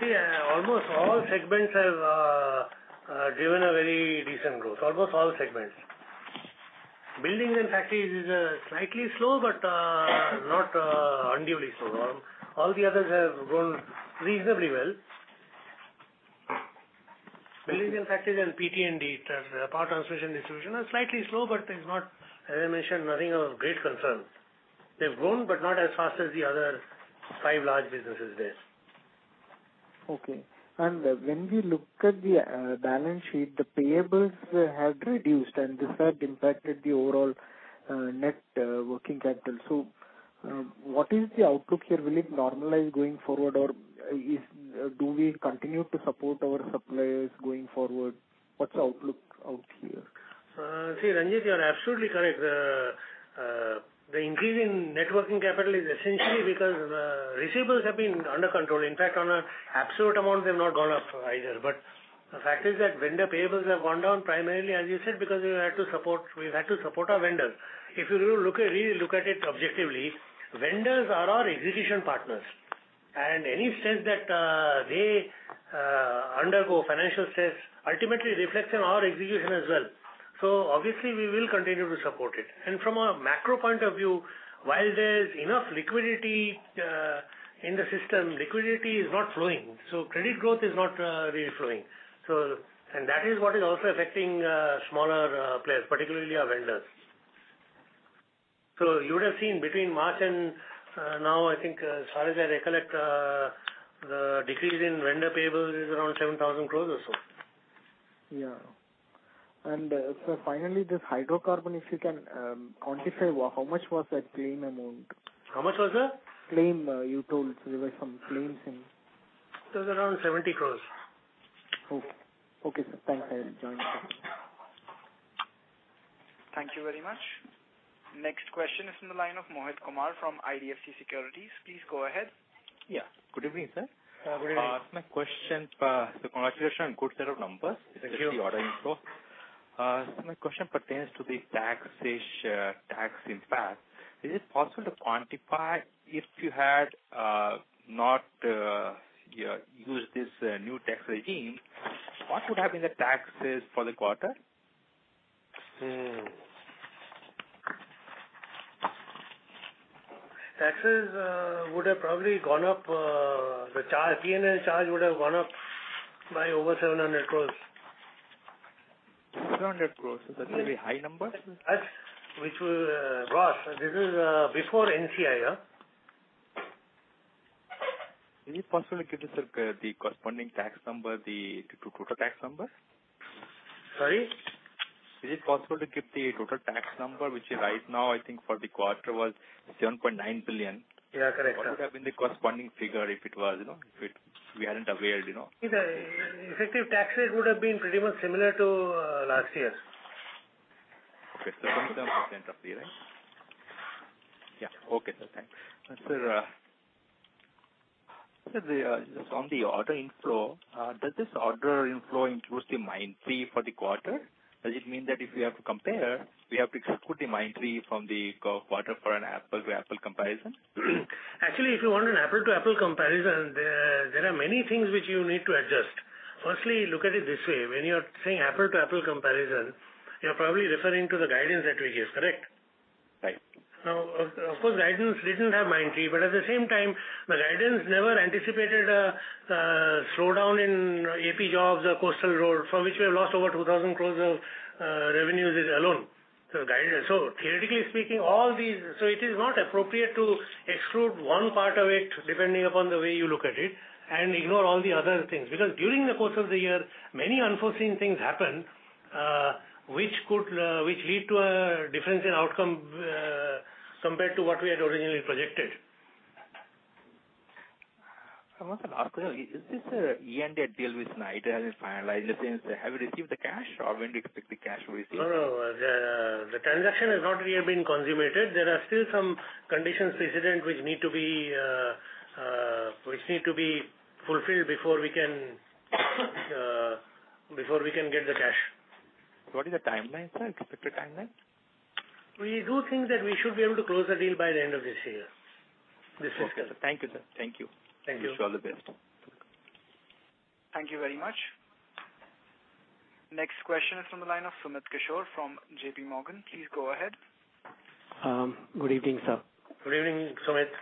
See, almost all segments have driven a very decent growth. Almost all segments. Buildings and factories is slightly slow, but not unduly slow. All the others have grown reasonably well. Buildings and factories and PT&D, Power Transmission & Distribution, are slightly slow, but as I mentioned, nothing of great concern. They've grown, but not as fast as the other five large businesses there. Okay. When we look at the balance sheet, the payables have reduced, and this has impacted the overall net working capital. What is the outlook here? Will it normalize going forward, or do we continue to support our suppliers going forward? What's the outlook out here? See, Ranjit, you're absolutely correct. The increase in net working capital is essentially because receivables have been under control. In fact, on an absolute amount, they've not gone up either. The fact is that vendor payables have gone down primarily, as you said, because we've had to support our vendors. If you really look at it objectively, vendors are our execution partners. Any stress that they undergo, financial stress, ultimately reflects on our execution as well. Obviously we will continue to support it. From a macro point of view, while there's enough liquidity in the system, liquidity is not flowing. Credit growth is not really flowing. That is what is also affecting smaller players, particularly our vendors. You would have seen between March and now, I think, as far as I recollect, the decrease in vendor payables is around 7,000 crores or so. Yeah. Sir, finally, this hydrocarbon, if you can quantify how much was that claim amount? How much was that? Claim. You told there were some claims in. It was around 70 crores. Okay, sir. Thanks. I enjoyed it. Thank you very much. Next question is from the line of Mohit Kumar from IDFC Securities. Please go ahead. Yeah. Good evening, sir. Good evening. Congratulations on good set of numbers. Thank you. with the order inflow. My question pertains to the tax impact. Is it possible to quantify if you had not used this new tax regime, what would have been the taxes for the quarter? Taxes would have probably gone up. The T&L charge would have gone up by over 700 crores. 700 crores. Is that a very high number? This is before NCI. Is it possible to give the corresponding tax number, the total tax number? Sorry? Is it possible to give the total tax number, which right now I think for the quarter was 7.9 billion. Yeah, correct. What would have been the corresponding figure if we hadn't availed, you know? The effective tax rate would have been pretty much similar to last year. Okay. 27% roughly, right? Yeah. Okay, sir. Thanks. Sir, just on the order inflow, does this order inflow includes the Make-II for the quarter? Does it mean that if we have to compare, we have to exclude the Make-II from the quarter for an apple to apple comparison? Actually, if you want an apple to apple comparison, there are many things which you need to adjust. Firstly, look at it this way. When you're saying apple to apple comparison, you're probably referring to the guidance that we gave, correct? Right. Of course, guidance didn't have Mine 3. At the same time, the guidance never anticipated a slowdown in AP Jobs or coastal road, from which we have lost over 2,000 crore of revenues alone. Theoretically speaking, it is not appropriate to exclude one part of it, depending upon the way you look at it, and ignore all the other things. During the course of the year, many unforeseen things happen, which lead to a difference in outcome compared to what we had originally projected. I wanted to ask, is this E&A deal with Schneider finalized? Have you received the cash, or when do you expect the cash receipt? No. The transaction has not really been consummated. There are still some conditions precedent which need to be fulfilled before we can get the cash. What is the timeline, sir? Expected timeline? We do think that we should be able to close the deal by the end of this year. This fiscal year. Okay. Thank you, sir. Thank you. Wish you all the best. Thank you very much. Next question is from the line of Sumit Kishore from JP Morgan. Please go ahead. Good evening, sir. Good evening, Sumit.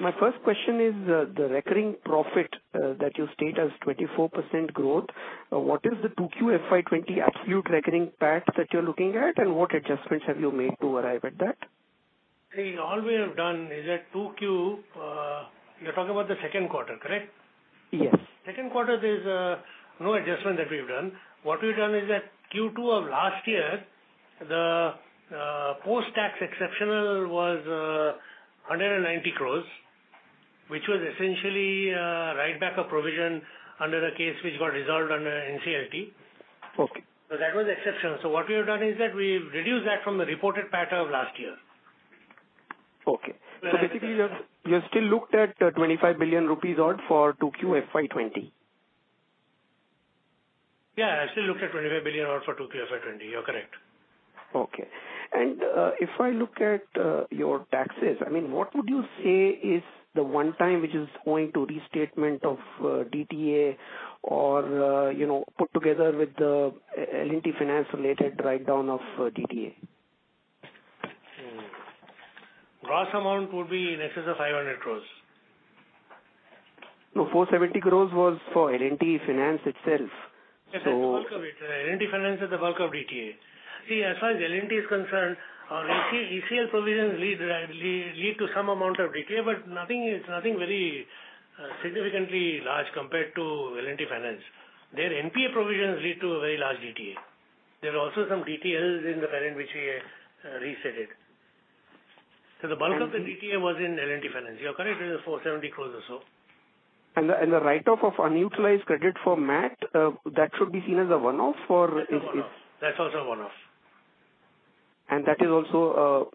My first question is, the recurring profit that you state as 24% growth, what is the 2Q FY 2020 absolute recurring PAT that you're looking at, and what adjustments have you made to arrive at that? All we have done is that 2Q, you're talking about the second quarter, correct? Yes. Second quarter, there's no adjustment that we've done. What we've done is that Q2 of last year, the post-tax exceptional was 190 crore, which was essentially a write-back of provision under a case which got resolved under NCLT. Okay. That was exceptional. What we have done is that we've reduced that from the reported PAT of last year. Okay. Basically, you have still looked at 25 billion rupees odd for 2Q FY 2020? Yeah, I still looked at 25 billion odd for 2Q FY 2020. You're correct. Okay. If I look at your taxes, what would you say is the one time which is going to restatement of DTA or put together with the L&T Finance related write down of DTA? Hmm. Gross amount would be in excess of 500 crores. No, 470 crores was for L&T Finance itself. Yes, that's the bulk of it. L&T Finance is the bulk of DTA. As far as L&T is concerned, ECL provisions lead to some amount of DTA, but nothing very significantly large compared to L&T Finance. Their NPA provisions lead to a very large DTA. There are also some DTAs in the parent which we reset it. The bulk of the DTA was in L&T Finance. You're correct, it is 470 crores or so. The write-off of unutilized credit for MAT, that should be seen as a one-off. That's a one-off. That's also a one-off. That is also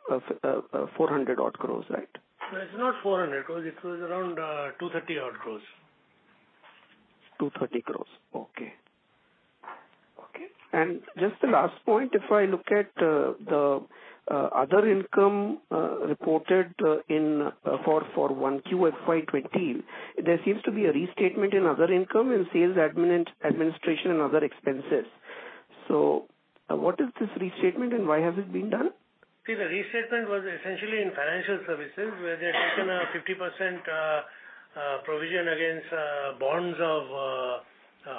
400 odd crores, right? No, it's not 400 crores. It was around 230 odd crores. 230 crores. Okay. Okay. Just the last point, if I look at the other income reported for 1Q FY 2020, there seems to be a restatement in other income in sales, admin, and administration and other expenses. What is this restatement and why has it been done? See, the restatement was essentially in financial services where they had taken a 50% provision against bonds of a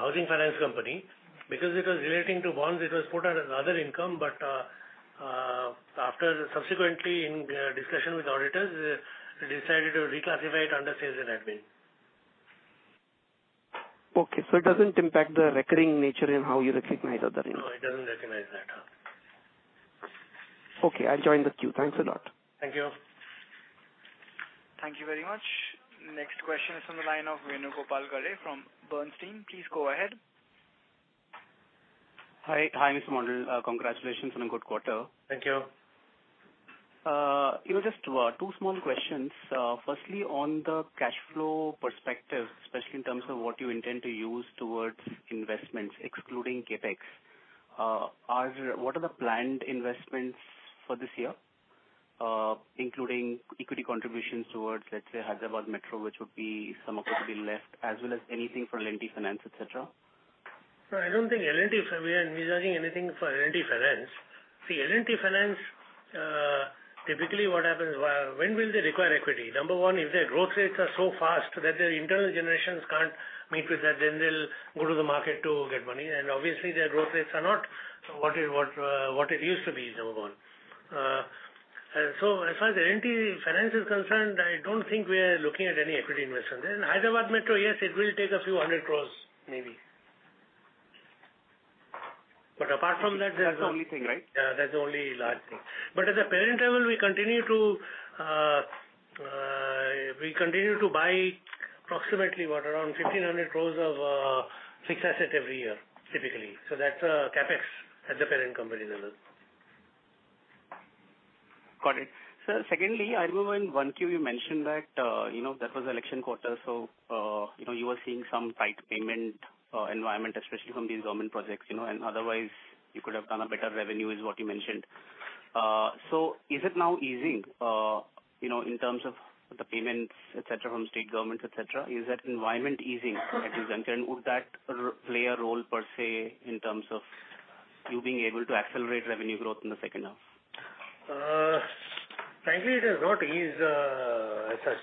housing finance company. Because it was relating to bonds, it was put under other income. Subsequently in discussion with auditors, they decided to reclassify it under sales and admin. Okay, it doesn't impact the recurring nature in how you recognize other income. No, it doesn't recognize that. Okay, I'll join the queue. Thanks a lot. Thank you. Thank you very much. Next question is on the line of Venugopal Garre from Bernstein. Please go ahead. Hi, Mr. Mondal. Congratulations on a good quarter. Thank you. Just two small questions. Firstly, on the cash flow perspective, especially in terms of what you intend to use towards investments excluding CapEx. What are the planned investments for this year, including equity contributions towards, let's say, Hyderabad Metro, which would be some of what would be left as well as anything for L&T Finance, et cetera? No, I don't think we are measuring anything for L&T Finance. See, L&T Finance, typically what happens, when will they require equity? Number one, if their growth rates are so fast that their internal generations can't meet with that, then they'll go to the market to get money, and obviously their growth rates are not what it used to be, number one. As far as L&T Finance is concerned, I don't think we are looking at any equity investment. Hyderabad Metro, yes, it will take a few 100 crores maybe. That's the only thing, right? Yeah, that's the only large thing. At the parent level, we continue to buy approximately what? Around 1,500 crores of fixed asset every year, typically. That's CapEx at the parent company level. Got it. Sir, secondly, I remember in 1Q you mentioned that was election quarter, so you were seeing some tight payment environment, especially from these government projects, and otherwise you could have done a better revenue is what you mentioned. Is it now easing, in terms of the payments, et cetera, from state governments, et cetera? Is that environment easing as you're concerned? Would that play a role per se, in terms of you being able to accelerate revenue growth in the second half? Frankly, it has not eased as such.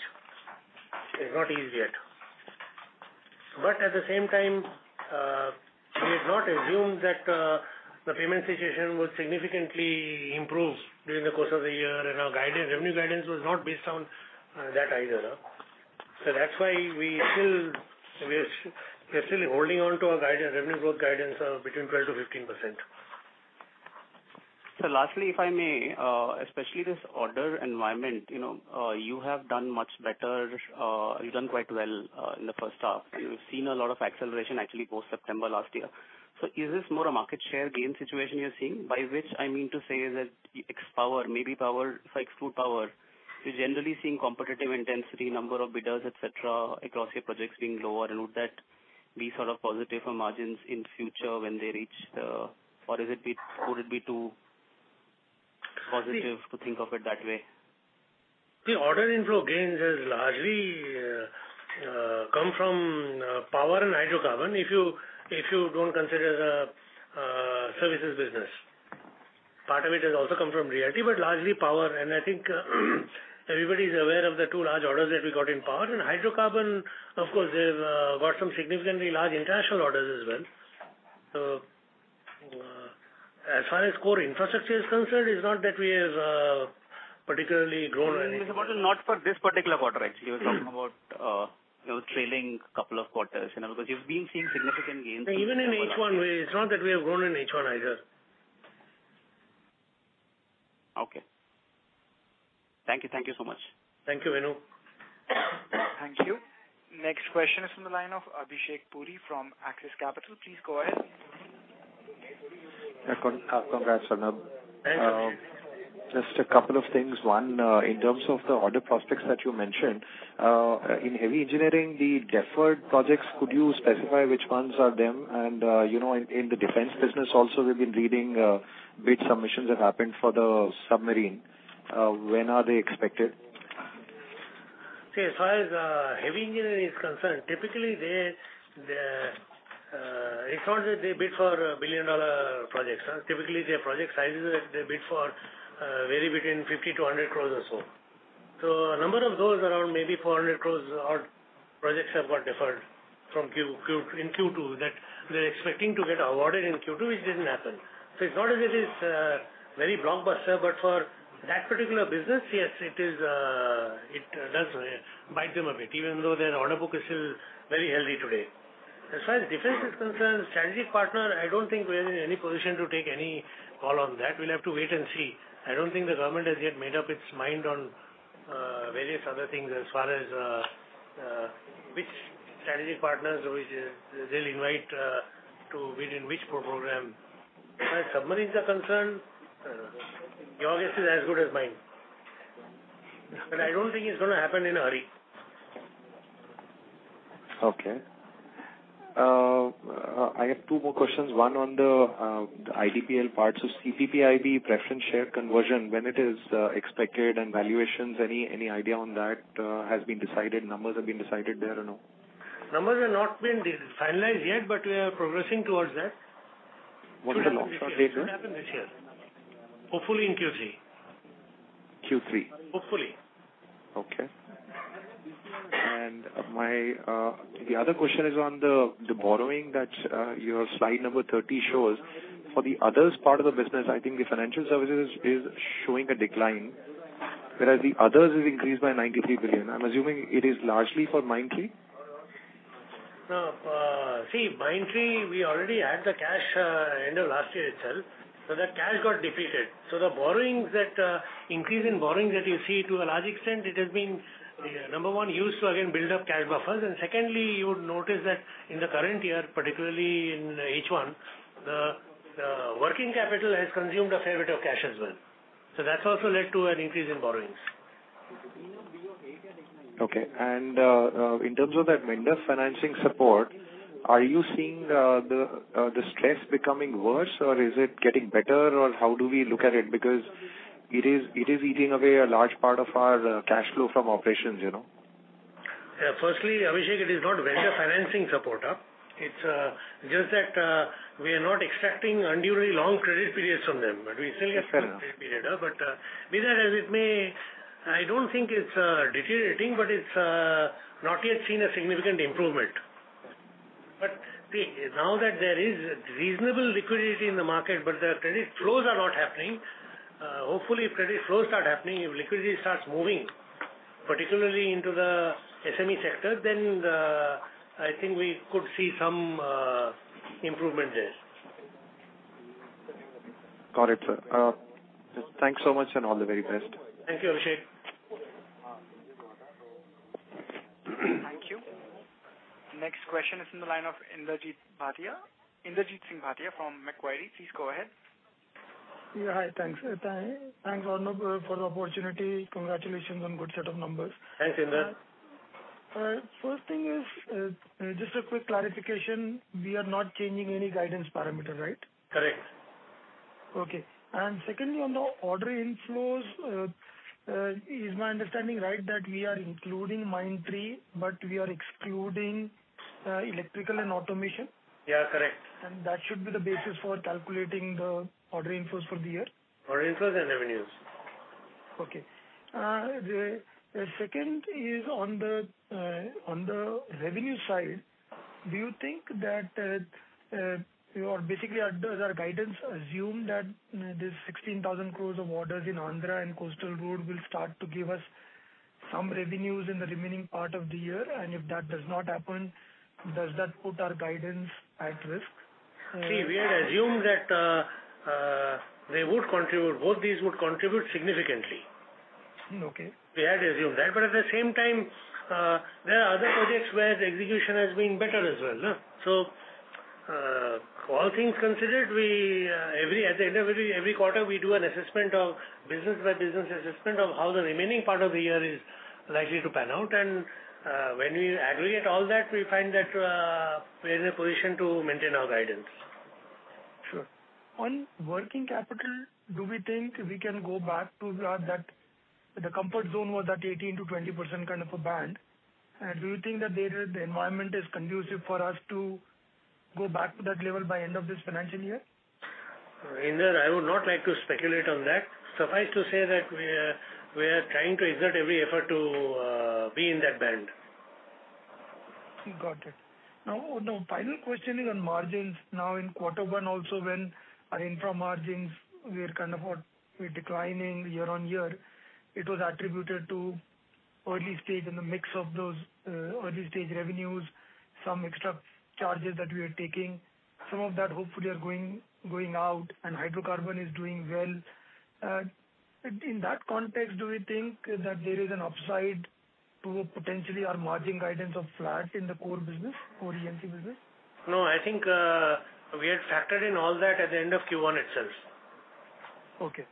It has not eased yet. At the same time, we had not assumed that the payment situation would significantly improve during the course of the year, and our revenue guidance was not based on that either. That's why we're still holding on to our revenue growth guidance of between 12%-15%. Sir, lastly, if I may, especially this order environment, you have done much better. You've done quite well in the first half, and we've seen a lot of acceleration actually post September last year. Is this more a market share gain situation you're seeing? By which I mean to say is that ex-power, maybe power, so exclude power, you're generally seeing competitive intensity, number of bidders, et cetera, across your projects being lower, and would that be sort of positive for margins in future when they or would it be too positive to think of it that way? Order inflow gains has largely come from Power and Hydrocarbon, if you don't consider the services business. Part of it has also come from REIT, largely Power, and I think everybody's aware of the two large orders that we got in Power. Hydrocarbon, of course, they've got some significantly large international orders as well. As far as core infrastructure is concerned, it's not that we have particularly grown. Mr. Mondal, not for this particular quarter, actually. We're talking about those trailing couple of quarters, because you've been seeing significant gains. Even in H1, it's not that we have grown in H1 either. Okay. Thank you. Thank you so much. Thank you, Venu. Thank you. Next question is from the line of Abhishek Puri from Axis Capital. Please go ahead. Congrats, Arnob. Thank you. Just a couple of things. One, in terms of the order prospects that you mentioned, in heavy engineering, the deferred projects, could you specify which ones are them? In the defense business also, we've been reading which submissions have happened for the submarine. When are they expected? Okay. As far as heavy engineering is concerned, typically, it's not that they bid for billion-dollar projects. Typically, their project sizes that they bid for vary between 50 crore-100 crore or so. A number of those, around maybe 400 crore projects, have got deferred in Q2, that they're expecting to get awarded in Q2, which didn't happen. It's not as if it's very blockbuster, but for that particular business, yes, it does bite them a bit, even though their order book is still very healthy today. As far as defense is concerned, Strategic Partner, I don't think we're in any position to take any call on that. We'll have to wait and see. I don't think the government has yet made up its mind on various other things as far as which Strategic Partners they'll invite to bid in which program. As far as submarines are concerned, your guess is as good as mine. I don't think it's going to happen in a hurry. Okay. I have two more questions, one on the IDPL part. CPPIB preference share conversion, when it is expected and valuations, any idea on that has been decided, numbers have been decided there or no? Numbers have not been finalized yet, but we are progressing towards that. What is the long shot date, sir? It will happen this year. Hopefully in Q3. Q3. Hopefully. Okay. The other question is on the borrowing that your slide number 30 shows. For the others part of the business, I think the financial services is showing a decline, whereas the others have increased by 93 billion. I'm assuming it is largely for Mindtree. Mindtree, we already added the cash end of last year itself, so that cash got depleted. The increase in borrowing that you see, to a large extent, it has been, number 1, used to again build up cash buffers, and secondly, you would notice that in the current year, particularly in H1, the working capital has consumed a fair bit of cash as well. That's also led to an increase in borrowings. Okay. In terms of that vendor financing support, are you seeing the stress becoming worse or is it getting better or how do we look at it? Because it is eating away a large part of our cash flow from operations. Yeah. Firstly, Abhishek, it is not vendor financing support. It is just that we are not accepting unduly long credit periods from them, but we still get some credit period. Yes, sir. Be that as it may, I don't think it's deteriorating, but it's not yet seen a significant improvement. Now that there is reasonable liquidity in the market, but the credit flows are not happening. Hopefully, if credit flows start happening, if liquidity starts moving, particularly into the SME sector, then I think we could see some improvement there. Got it, sir. Thanks so much, and all the very best. Thank you, Abhishek. Thank you. Next question is in the line of Inderjit Bhatia. Inderjit Singh Bhatia from Macquarie. Please go ahead. Yeah, hi. Thanks. Thanks, Arnob, for the opportunity. Congratulations on good set of numbers. Thanks, Inder. First thing is just a quick clarification. We are not changing any guidance parameter, right? Correct. Okay. Secondly, on the order inflows, is my understanding right that we are including Mindtree, but we are excluding Electrical & Automation? Yeah, correct. That should be the basis for calculating the order inflows for the year? Order inflows and revenues. Okay. The second is on the revenue side. Do you think that basically our guidance assumed that this 16,000 crores of orders in Andhra and Coastal Road will start to give us some revenues in the remaining part of the year? If that does not happen, does that put our guidance at risk? We had assumed that both these would contribute significantly. Okay. We had assumed that. At the same time, there are other projects where the execution has been better as well. All things considered, at the end of every quarter, we do a business by business assessment of how the remaining part of the year is likely to pan out and when we aggregate all that, we find that we're in a position to maintain our guidance. Sure. On working capital, do we think we can go back to that, the comfort zone was that 18%-20% kind of a band? Do you think that the environment is conducive for us to go back to that level by end of this financial year? Inder, I would not like to speculate on that. Suffice to say that we are trying to exert every effort to be in that band. Got it. The final question is on margins. In quarter one also when our infra margins were declining year-over-year, it was attributed to early stage in the mix of those early-stage revenues, some extra charges that we are taking. Some of that hopefully are going out and hydrocarbon is doing well. In that context, do we think that there is an upside? To potentially our margin guidance of flat in the core business, core E&C business? No, I think we had factored in all that at the end of Q1 itself. Okay.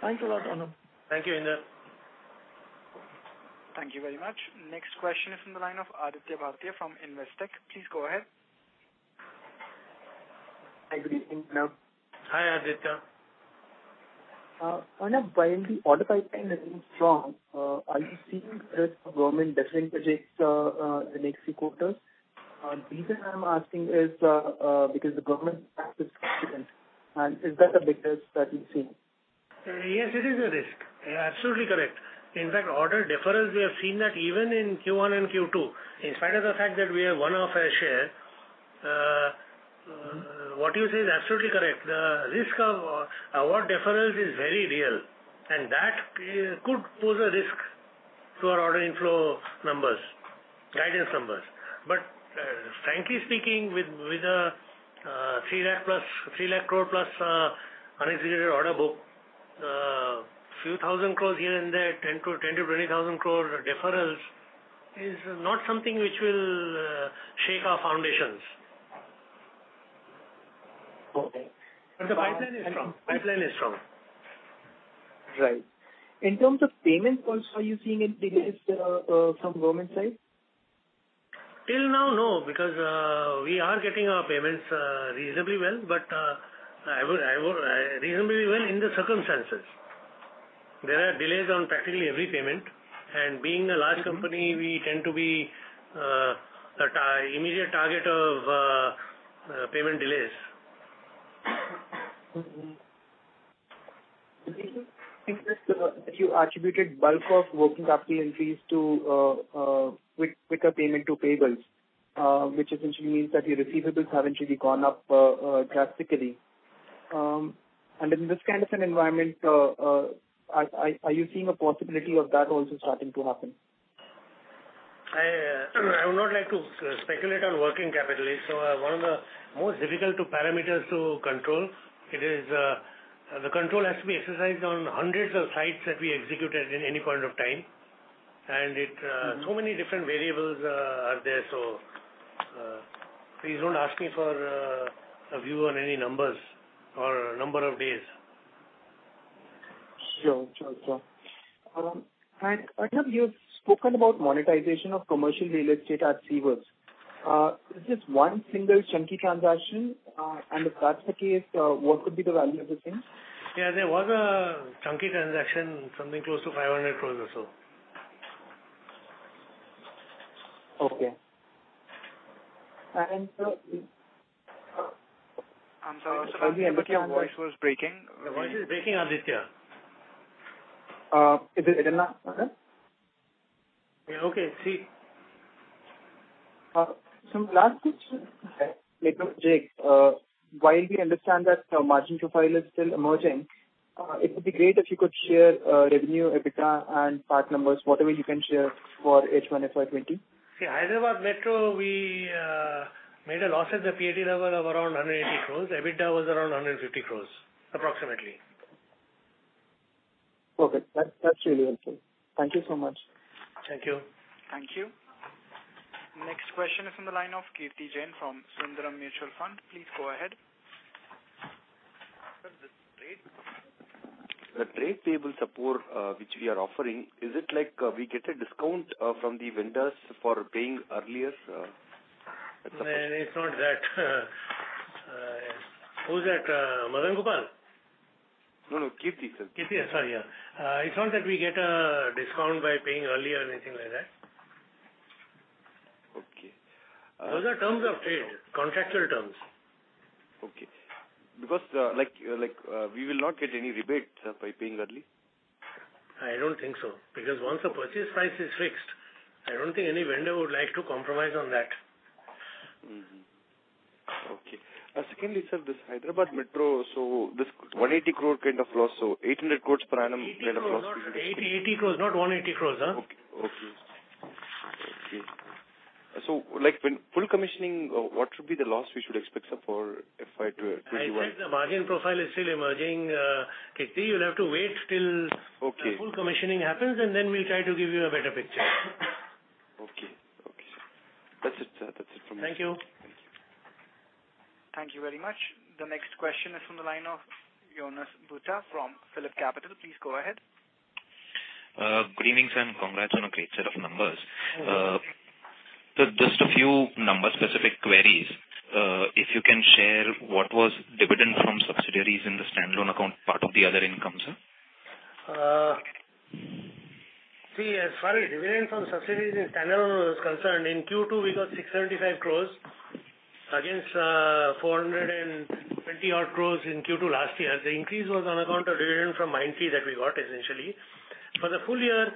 Thanks a lot, Arnob. Thank you, Inder. Thank you very much. Next question is from the line of Aditya Bhartia from Investec. Please go ahead. Hi, good evening, Arnob. Hi, Aditya. Arnob, while the order pipeline looking strong, are you seeing risk from government deferring projects the next few quarters? Is that a risk that you're seeing? Yes, it is a risk. Absolutely correct. In fact, order deferrals, we have seen that even in Q1 and Q2. In spite of the fact that we have one of a share, what you say is absolutely correct. The risk of award deferrals is very real, and that could pose a risk to our order inflow numbers, guidance numbers. Frankly speaking, with 300,000 crore plus unexecuted order book, a few thousand crores here and there, 10,000 crore-20,000 crore deferrals is not something which will shake our foundations. Okay. The pipeline is strong. Pipeline is strong. Right. In terms of payments also, are you seeing any delays from government side? Till now, no, because we are getting our payments reasonably well, reasonably well in the circumstances. There are delays on practically every payment, and being a large company, we tend to be the immediate target of payment delays. Mm-hmm. that you attributed bulk of working capital increase to quicker payment to payables, which essentially means that your receivables haven't really gone up drastically. In this kind of an environment, are you seeing a possibility of that also starting to happen? I would not like to speculate on working capital. It's one of the most difficult parameters to control. The control has to be exercised on hundreds of sites that we execute at any point of time, and so many different variables are there. Please don't ask me for a view on any numbers or a number of days. Sure. Arnob, you've spoken about monetization of commercial real estate at Seawoods. Is this one single chunky transaction? If that's the case, what could be the value of the same? Yeah, there was a chunky transaction, something close to 500 crore or so. Okay. I'm sorry, Aditya, your voice was breaking. Your voice is breaking, Aditya. It is not, sir? Okay. Some last questions. While we understand that margin profile is still emerging, it would be great if you could share revenue, EBITDA, and PAT numbers, whatever you can share for H1 FY 2020. See, Hyderabad Metro, we made a loss at the PAT level of around 180 crores. EBITDA was around 150 crores, approximately. Okay. That's really helpful. Thank you so much. Thank you. Thank you. Next question is from the line of Kirthi Jain from Sundaram Mutual Fund. Please go ahead. Sir, this trade table support which we are offering, is it like we get a discount from the vendors for paying earlier? No, it's not that. Who's that? Madhangopal? No, Kirthi, sir. Kirthi. Sorry. It's not that we get a discount by paying early or anything like that. Okay. Those are terms of trade, contractual terms. Okay. Because we will not get any rebate, sir, by paying early? I don't think so. Because once a purchase price is fixed, I don't think any vendor would like to compromise on that. Mm-hmm. Okay. Secondly, sir, this Hyderabad Metro, so this 180 crore kind of loss, so 1,800 crore per annum kind of loss. INR 80 crores. INR 80 crores, not INR 180 crores. Okay. When full commissioning, what should be the loss we should expect, sir, for FY 2021? I think the margin profile is still emerging, Kirthi. You'll have to wait. Okay full commissioning happens, and then we'll try to give you a better picture. Okay. That's it, sir, that's it from my side. Thank you. Thank you. Thank you very much. The next question is from the line of Jonas Bhatt from PhillipCapital. Please go ahead. Good evening, sir, and congrats on a great set of numbers. Thank you. Sir, just a few number-specific queries. If you can share what was dividend from subsidiaries in the standalone account part of the other income, sir? As far as dividend from subsidiaries in standalone was concerned, in Q2, we got 675 crores against 420 odd crores in Q2 last year. The increase was on account of dividend from Mindtree that we got essentially. For the full year,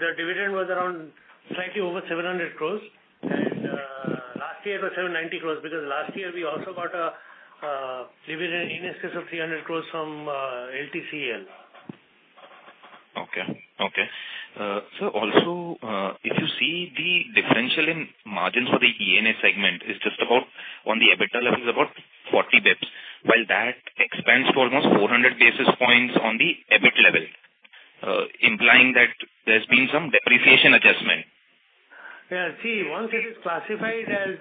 the dividend was around slightly over 700 crores, and last year it was 790 crores, because last year we also got a dividend in excess of 300 crores from LTCL. Okay. Sir, also, if you see the differential in margins for the E&A segment is just about. On the EBITDA level is about 40 basis points, while that expands to almost 400 basis points on the EBIT level, implying that there's been some depreciation adjustment. Yeah. See, once it is classified as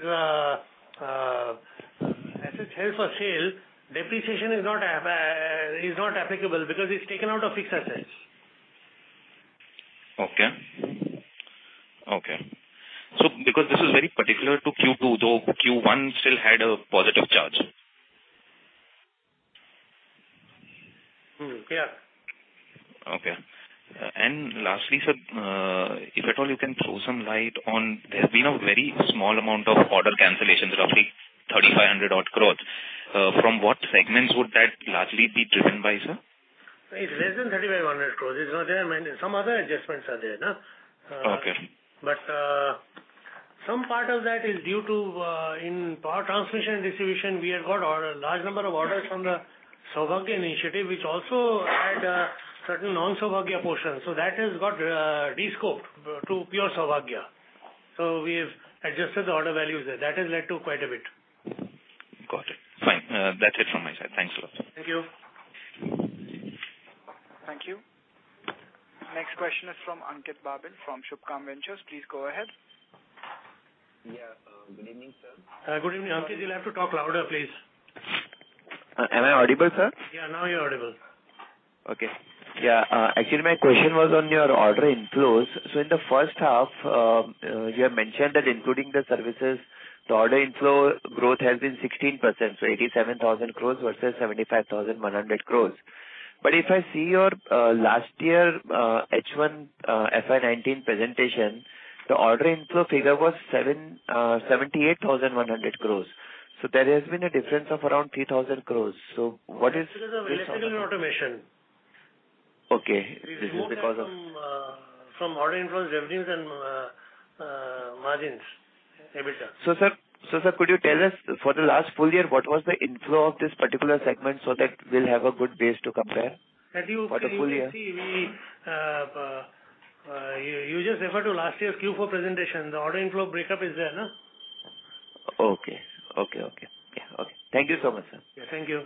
assets held for sale, depreciation is not applicable because it's taken out of fixed assets. Because this is very particular to Q2, though Q1 still had a positive charge. Yeah. Okay. Lastly, sir, if at all you can throw some light on, there's been a very small amount of order cancellations, roughly 3,500 odd crore. From what segments would that largely be driven by, sir? It's less than 3,500 crores. Some other adjustments are there. Okay. Some part of that is due to, in Power Transmission and Distribution, we have got a large number of orders from the Saubhagya initiative, which also had a certain non-Saubhagya portion. That has got de-scoped to pure Saubhagya. We've adjusted the order values there. That has led to quite a bit. Got it. Fine. That's it from my side. Thanks a lot. Thank you. Thank you. Next question is from Ankit Babina from Shubhkam Ventures. Please go ahead. Yeah, good evening, sir. Good evening, Ankit. You'll have to talk louder, please. Am I audible, sir? Yeah, now you're audible. Okay. Yeah. Actually, my question was on your order inflows. In the first half, you have mentioned that including the services, the order inflow growth has been 16%. 87,000 crore versus 75,100 crore. If I see your last year H1 FY 2019 presentation, the order inflow figure was 78,100 crore. There has been a difference of around 3,000 crore. What is. That figure is Electrical & Automation. Okay. This is because of. From order inflows, revenues, and margins, EBITDA. sir, could you tell us for the last full year, what was the inflow of this particular segment so that we'll have a good base to compare for the full year? You just refer to last year's Q4 presentation. The order inflow breakup is there. Okay. Thank you so much, sir. Yeah, thank you.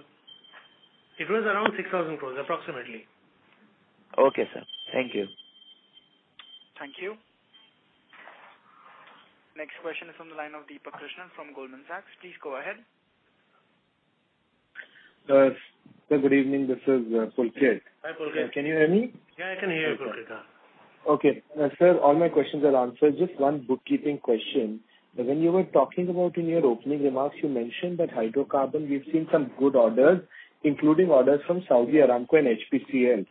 It was around 6,000 crore, approximately. Okay, sir. Thank you. Thank you. Next question is from the line of Deepak Krishna from Goldman Sachs. Please go ahead. Sir, good evening. This is Pulkit. Hi, Pulkit. Can you hear me? Yeah, I can hear you, Pulkit. Okay. Sir, all my questions are answered. Just one bookkeeping question. When you were talking about in your opening remarks, you mentioned that hydrocarbon, we've seen some good orders, including orders from Saudi Aramco and HPCL.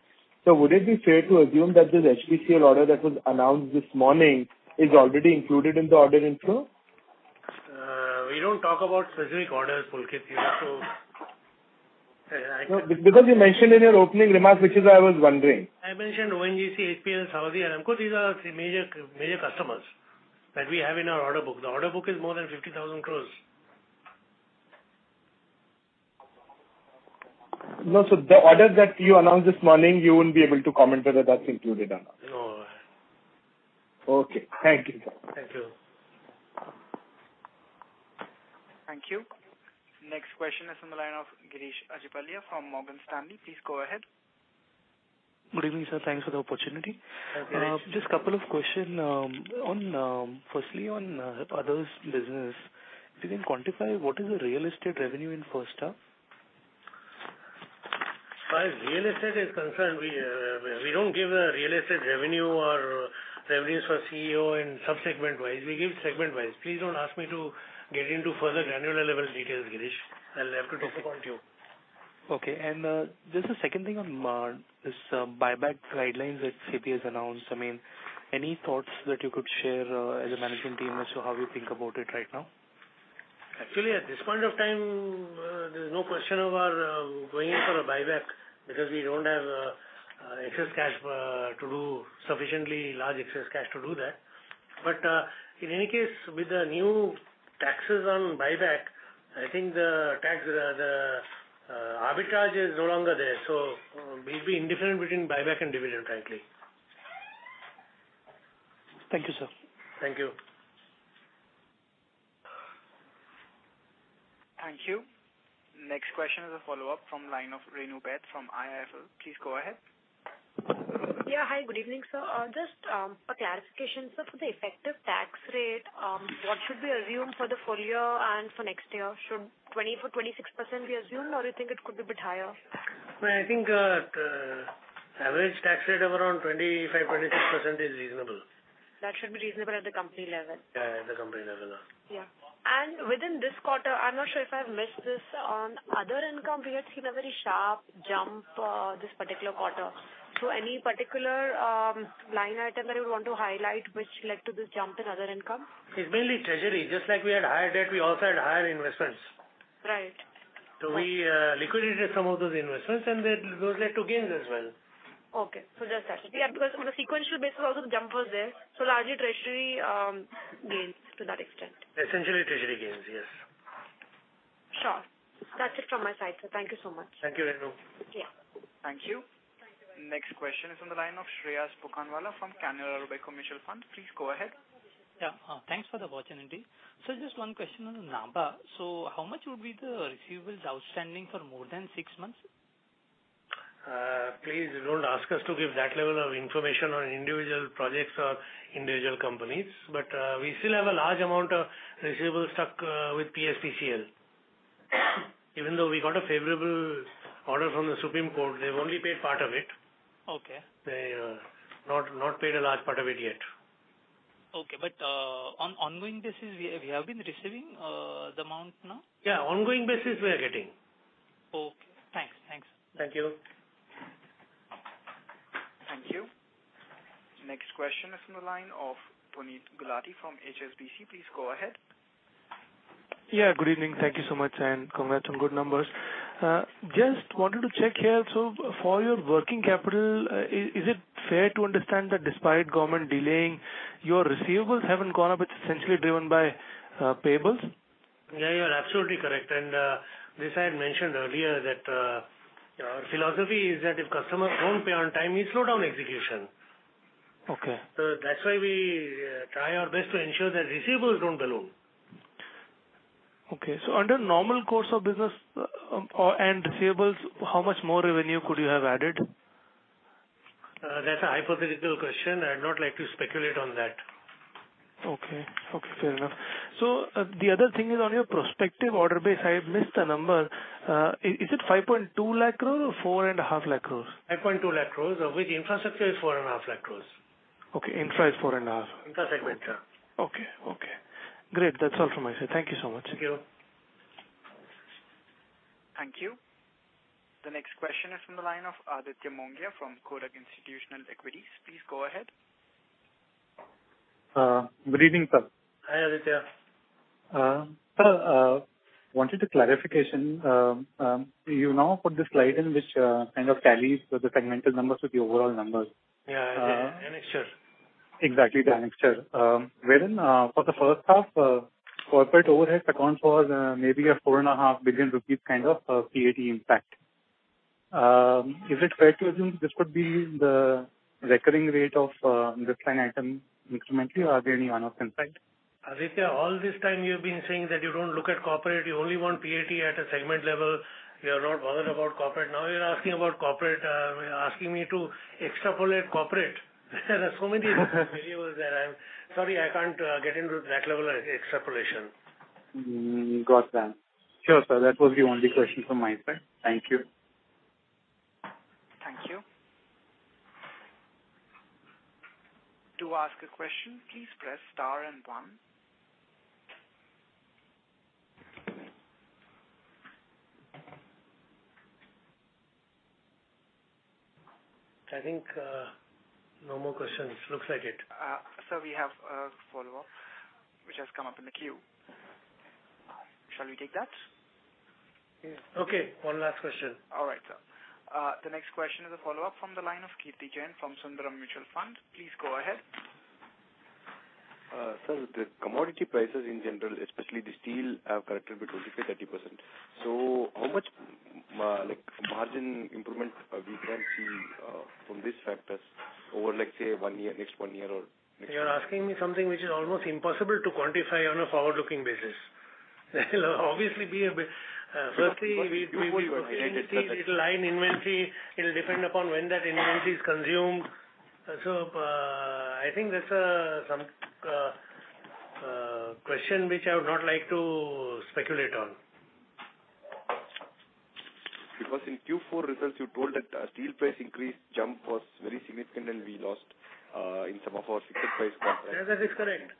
Would it be fair to assume that this HPCL order that was announced this morning is already included in the order inflow? We don't talk about specific orders, Pulkit. You mentioned in your opening remarks, which is why I was wondering. I mentioned ONGC, HPCL, Saudi Aramco. These are three major customers that we have in our order book. The order book is more than 50,000 crores. No, so the orders that you announced this morning, you wouldn't be able to comment whether that's included or not? No. Okay. Thank you. Thank you. Thank you. Next question is on the line of Girish Achhipalia from Morgan Stanley. Please go ahead. Good evening, sir. Thanks for the opportunity. Hi, Girish. Just a couple of questions. Firstly, on other business, if you can quantify what is the real estate revenue in first half? As real estate is concerned, we don't give real estate revenue or revenues for CME and sub-segment-wise. We give segment-wise. Please don't ask me to get into further granular level details, Girish. I'll have to disappoint you. Okay. Just a second thing on this buyback guidelines that SEBI has announced. Any thoughts that you could share as a management team as to how you think about it right now? Actually, at this point of time, there's no question about going in for a buyback because we don't have sufficiently large excess cash to do that. In any case, with the new taxes on buyback, I think the arbitrage is no longer there. We'll be indifferent between buyback and dividend, frankly. Thank you, sir. Thank you. Thank you. Next question is a follow-up from line of Renu Baid from IIFL. Please go ahead. Yeah, hi, good evening, sir. Just a clarification, sir. For the effective tax rate, what should be assumed for the full year and for next year? Should 24%, 26% be assumed, or you think it could be a bit higher? I think average tax rate of around 25%-26% is reasonable. That should be reasonable at the company level. Yeah, at the company level. Yeah. Within this quarter, I'm not sure if I've missed this. On other income, we had seen a very sharp jump this particular quarter. Any particular line item that you would want to highlight which led to this jump in other income? It's mainly treasury. Just like we had higher debt, we also had higher investments. Right. We liquidated some of those investments, and those led to gains as well. Okay, just that. On the sequential basis also the jump was there. Largely treasury gains to that extent. Essentially treasury gains, yes. Sure. That's it from my side, sir. Thank you so much. Thank you, Renu. Yeah. Thank you. Next question is on the line of Shreyas Pokharna from Canara Robeco Mutual Fund. Please go ahead. Yeah. Thanks for the opportunity. Sir, just one question on Nabha. How much would be the receivables outstanding for more than six months? Please don't ask us to give that level of information on individual projects or individual companies. We still have a large amount of receivables stuck with PSPCL. Even though we got a favorable order from the Supreme Court, they've only paid part of it. Okay. They not paid a large part of it yet. Okay. On ongoing basis, we have been receiving the amount now? Yeah. Ongoing basis, we are getting. Okay. Thanks. Thank you. Thank you. Next question is on the line of Puneet Gulati from HSBC. Please go ahead. Yeah, good evening. Thank you so much, and congrats on good numbers. Just wanted to check here, so for your working capital, is it fair to understand that despite government delaying, your receivables haven't gone up, it's essentially driven by payables? Yeah, you are absolutely correct. This I had mentioned earlier that our philosophy is that if customers don't pay on time, we slow down execution. Okay. That's why we try our best to ensure that receivables don't balloon. Okay. Under normal course of business and receivables, how much more revenue could you have added? That's a hypothetical question. I'd not like to speculate on that. Okay. Fair enough. The other thing is on your prospective order base, I have missed a number. Is it 5.2 lakh crore or 4.5 lakh crore? 5.2 lakh crores, of which infrastructure is 4.5 lakh crores. Okay. Infra is 4.5%. Infrastructure. Okay. Great. That's all from my side. Thank you so much. Thank you. Thank you. The next question is from the line of Aditya Mongia from Kotak Institutional Equities. Please go ahead. Good evening, sir. Hi, Aditya. Sir, I wanted a clarification. You now put the slide in which kind of tallies the segmental numbers with the overall numbers. Yeah. Annexure. Exactly, the annexure. Wherein for the first half, corporate overheads account for maybe a 4.5 billion rupees kind of PAT impact. Is it fair to assume this could be the recurring rate of this line item incrementally or are there any one-offs inside? Aditya, all this time you've been saying that you don't look at corporate, you only want PAT at a segment level. You are not bothered about corporate. Now you're asking about corporate, asking me to extrapolate corporate. There are so many variables there. Sorry, I can't get into that level of extrapolation. Got that. Sure, sir. That was the only question from my side. Thank you. Thank you. To ask a question, please press star and one. I think no more questions. Looks like it. Sir, we have a follow-up which has come up in the queue. Shall we take that? Okay. One last question. All right, sir. The next question is a follow-up from the line of Kirthi Jain from Sundaram Mutual Fund. Please go ahead. Sir, the commodity prices in general, especially the steel, have corrected by 25%, 30%. How much margin improvement we can see from these factors over, let's say, next one year? You're asking me something which is almost impossible to quantify on a forward-looking basis. Firstly, we will be booking inventories. It'll lie in inventory. It'll depend upon when that inventory is consumed. I think that's a question which I would not like to speculate on. In Q4 results, you told that steel price increase jump was very significant and we lost in some of our fixed price contracts. That is correct.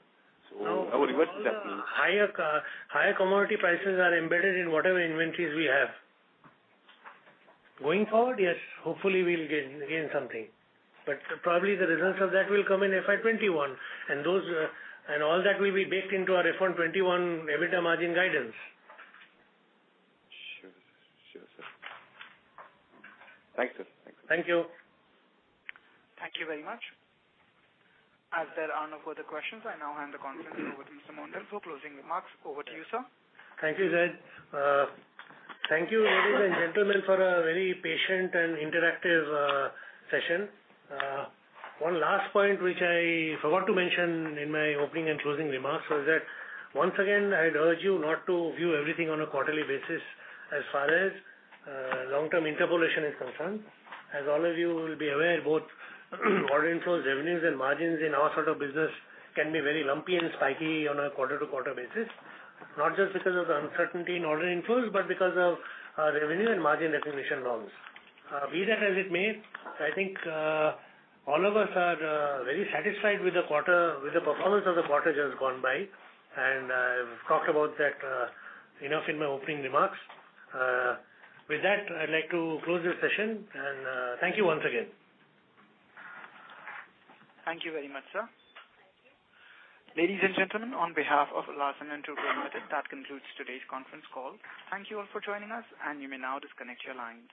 How would that mean? Higher commodity prices are embedded in whatever inventories we have. Going forward, yes, hopefully we'll gain something. Probably the results of that will come in FY 2021 and all that will be baked into our FY 2021 EBITDA margin guidance. Sure, sir. Thank you. Thank you. Thank you very much. As there are no further questions, I now hand the conference over to Mr. Mondal for closing remarks. Over to you, sir. Thank you, [Zaid]. Thank you, ladies and gentlemen, for a very patient and interactive session. One last point which I forgot to mention in my opening and closing remarks was that once again, I'd urge you not to view everything on a quarterly basis as far as long-term interpolation is concerned. As all of you will be aware, both order inflows, revenues, and margins in our sort of business can be very lumpy and spiky on a quarter-to-quarter basis, not just because of the uncertainty in order inflows, but because of revenue and margin recognition norms. Be that as it may, I think all of us are very satisfied with the performance of the quarter just gone by, and I've talked about that enough in my opening remarks. With that, I'd like to close this session, and thank you once again. Thank you very much, sir. Ladies and gentlemen, on behalf of Larsen & Toubro Limited, that concludes today's conference call. Thank you all for joining us. You may now disconnect your lines.